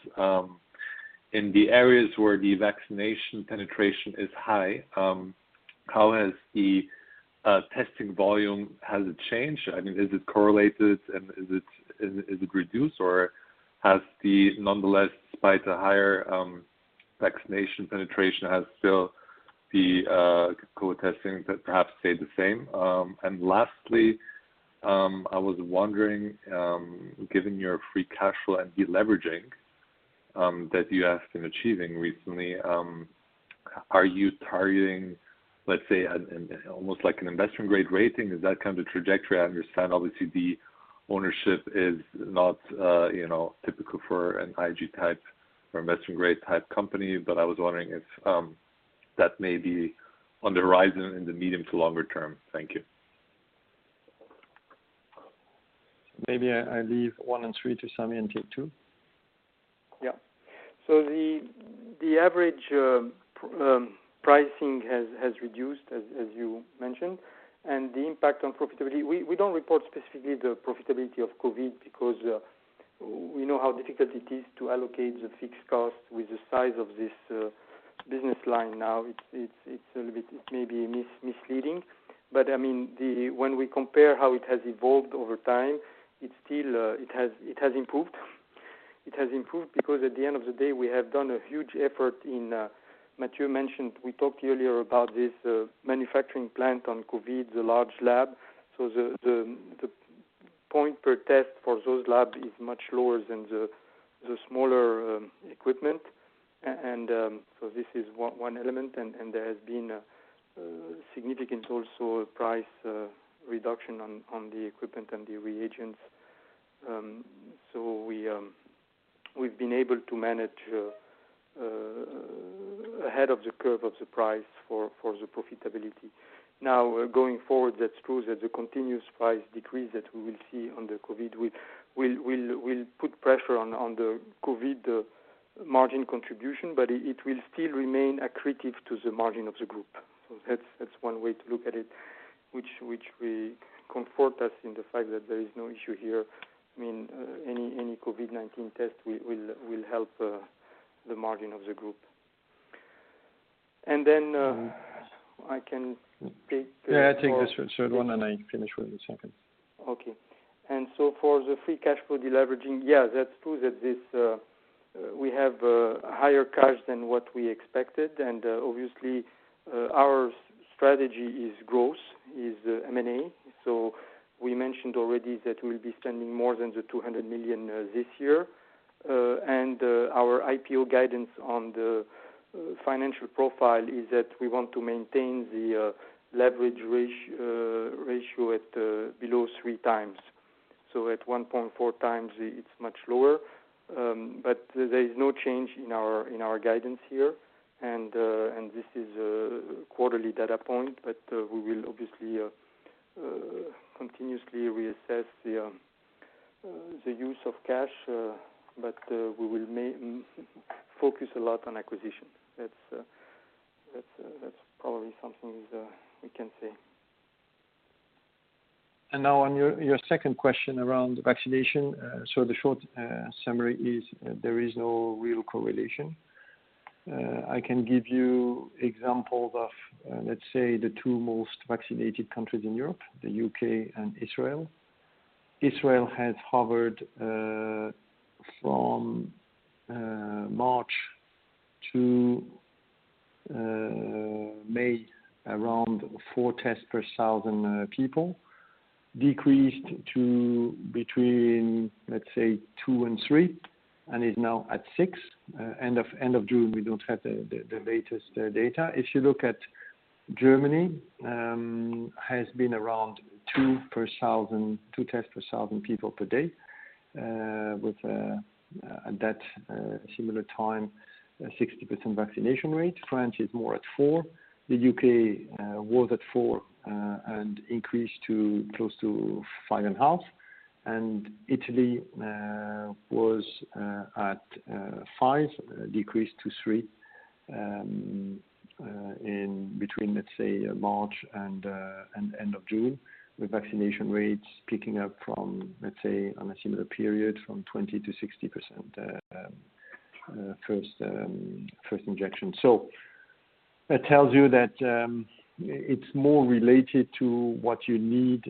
in the areas where the vaccination penetration is high, how has the testing volume, has it changed? Is it correlated and is it reduced or has the, nonetheless, despite the higher vaccination penetration, has still the COVID testing perhaps stayed the same? Lastly, I was wondering, given your free cash flow and deleveraging that you have been achieving recently, are you targeting, let's say, almost like an investment-grade rating? Is that kind of the trajectory? I understand obviously the ownership is not typical for an IG type or investment-grade type company. I was wondering if that may be on the horizon in the medium to longer term. Thank you. Maybe I leave one and three to Sami and take two. Yeah. The average pricing has reduced, as you mentioned. The impact on profitability, we don't report specifically the profitability of COVID because we know how difficult it is to allocate the fixed cost with the size of this business line now. It's a little bit maybe misleading. When we compare how it has evolved over time, it has improved. It has improved because at the end of the day, we have done a huge effort in, Mathieu mentioned, we talked earlier about this manufacturing plant on COVID, the large lab. The point per test for those labs is much lower than the smaller equipment. This is one element, and there has been a significant price reduction on the equipment and the reagents. We've been able to manage ahead of the curve of the price for the profitability. Going forward, that's true that the continuous price decrease that we will see on the COVID will put pressure on the COVID margin contribution, but it will still remain accretive to the margin of the group. That's one way to look at it, which comfort us in the fact that there is no issue here. Any COVID-19 test will help the margin of the group. Yeah, take the short one, and I finish with the second. Okay. For the free cash flow deleveraging, yeah, that's true that we have higher cash than what we expected. Obviously, our strategy is growth, is M&A. We mentioned already that we'll be spending more than 200 million this year. Our IPO guidance on the financial profile is that we want to maintain the leverage ratio at below 3x. At 1.4x, it's much lower. There is no change in our guidance here. This is a quarterly data point, but we will obviously continuously reassess the use of cash. We will focus a lot on acquisition. That's probably something we can say. Now on your second question around vaccination. The short summary is there is no real correlation. I can give you examples of, let's say, the two most vaccinated countries in Europe, the U.K. and Israel. Israel has hovered from March to May, around four tests per thousand people. Decreased to between, let's say, two and three, and is now at six. End of June, we don't have the latest data. If you look at Germany, has been around two tests per thousand people per day, with that similar time, 60% vaccination rate. France is more at four. The U.K. was at four and increased to close to 5.5. Italy was at five, decreased to three in between, let's say, March and end of June, with vaccination rates picking up from, let's say, on a similar period from 20% to 60% first injection. That tells you that it's more related to what you need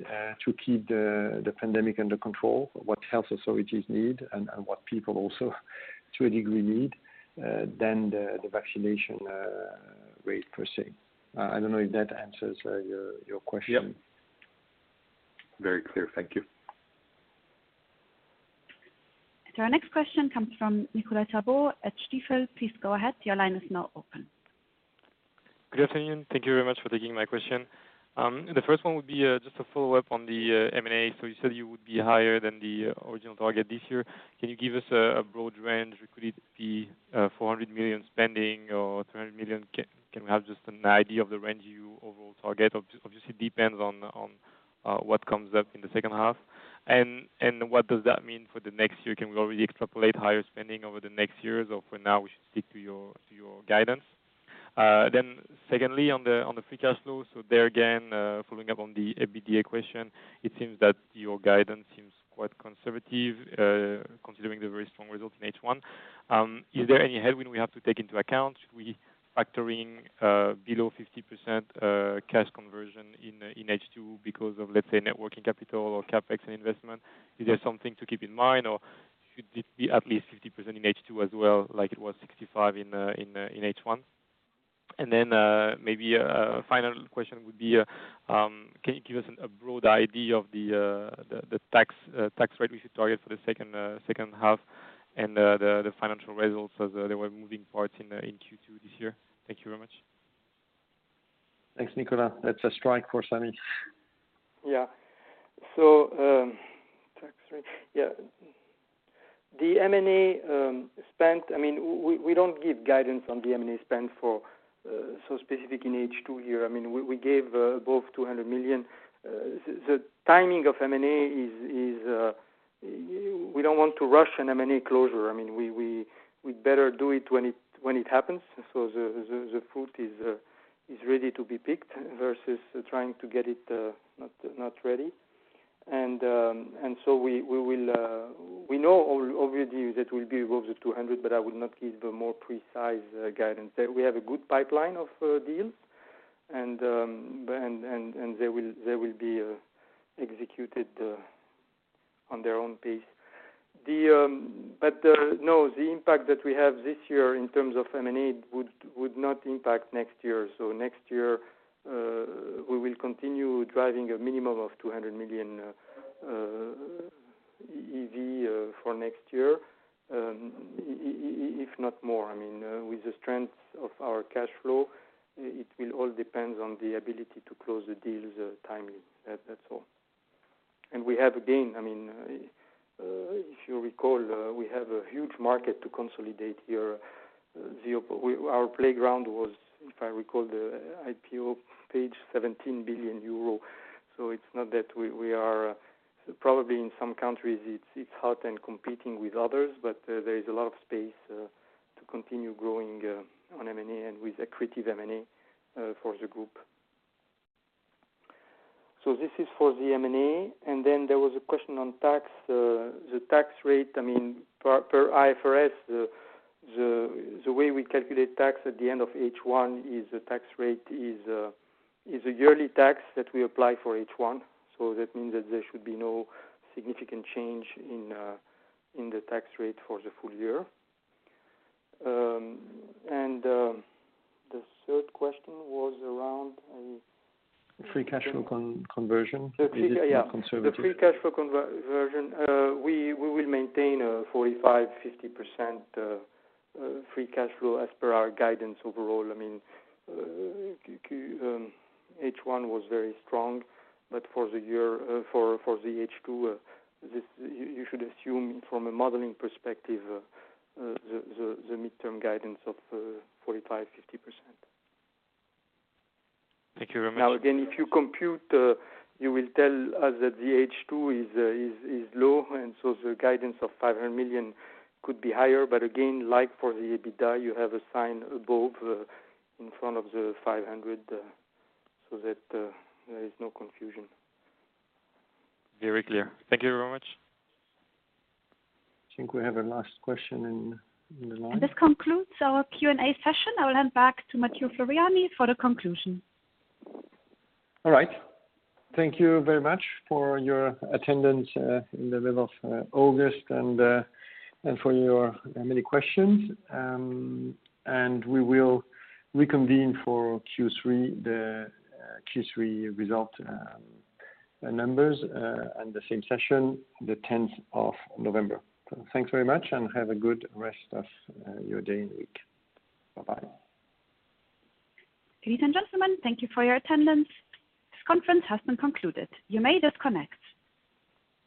to keep the pandemic under control, what health authorities need, and what people also, to a degree, need, than the vaccination rate per se. I don't know if that answers your question? Yep. Very clear. Thank you. Our next question comes from Nicolas Tabor at Stifel. Good afternoon. Thank you very much for taking my question. The first one would be just a follow-up on the M&A. You said you would be higher than the original target this year. Can you give us a broad range? Could it be 400 million spending or 300 million? Can we have just an idea of the range you overall target? Obviously, depends on what comes up in the second half. What does that mean for the next year? Can we already extrapolate higher spending over the next years, or for now, we should stick to your guidance? Secondly, on the free cash flow. There again, following up on the EBITDA question, it seems that your guidance seems quite conservative considering the very strong results in H1. Is there any headwind we have to take into account? Should we be factoring below 50% cash conversion in H2 because of, let's say, net working capital or CapEx investment? Is there something to keep in mind, or should it be at least 50% in H2 as well, like it was 65% in H1? Then maybe a final question would be, can you give us a broad idea of the tax rate you should target for the second half and the financial results as they were moving forward in Q2 this year? Thank you very much. Thanks, Nicolas. That's a strike for Sami. Yeah. Tax rate. Yeah. The M&A spent, we don't give guidance on the M&A spend for so specific in H2 year. We gave above 200 million. The timing of M&A is we don't want to rush an M&A closure. We better do it when it happens. The fruit is ready to be picked versus trying to get it not ready. We know already that we'll be above the 200 million, but I would not give a more precise guidance there. We have a good pipeline of deals. They will be executed on their own pace. No, the impact that we have this year in terms of M&A would not impact next year. Next year, we will continue driving a minimum of 200 million EV for next year, if not more. With the strength of our cash flow, it will all depend on the ability to close the deals timely. That's all. We have, again, if you recall, we have a huge market to consolidate here. Our playground was, if I recall the IPO page, 17 billion euro. It's not that we are probably in some countries, it's hot and competing with others, but there is a lot of space to continue growing on M&A and with accretive M&A for the group. This is for the M&A. There was a question on tax. The tax rate, per IFRS, the way we calculate tax at the end of H1 is the tax rate is a yearly tax that we apply for H1. That means that there should be no significant change in the tax rate for the full year. The third question was around. Free cash flow conversion. Yeah. Is it conservative? The free cash flow conversion, we will maintain a 45%-50% free cash flow as per our guidance overall. H1 was very strong. For the H2, you should assume from a modeling perspective, the midterm guidance of 45%-50%. Thank you very much. Again, if you compute, you will tell us that the H2 is low, and so the guidance of 500 million could be higher. Again, like for the EBITDA, you have a sign above in front of the 500 so that there is no confusion. Very clear. Thank you very much. I think we have a last question in the line *crosstalk* This concludes our Q&A session. I will hand back to Mathieu Floreani for the conclusion. All right. Thank you very much for your attendance in the middle of August and for your many questions. We will reconvene for Q3, the Q3 result numbers, and the same session, the November 10th. Thanks very much and have a good rest of your day and week. Bye-bye. Ladies and gentlemen, thank you for your attendance. This conference has been concluded. You may disconnect.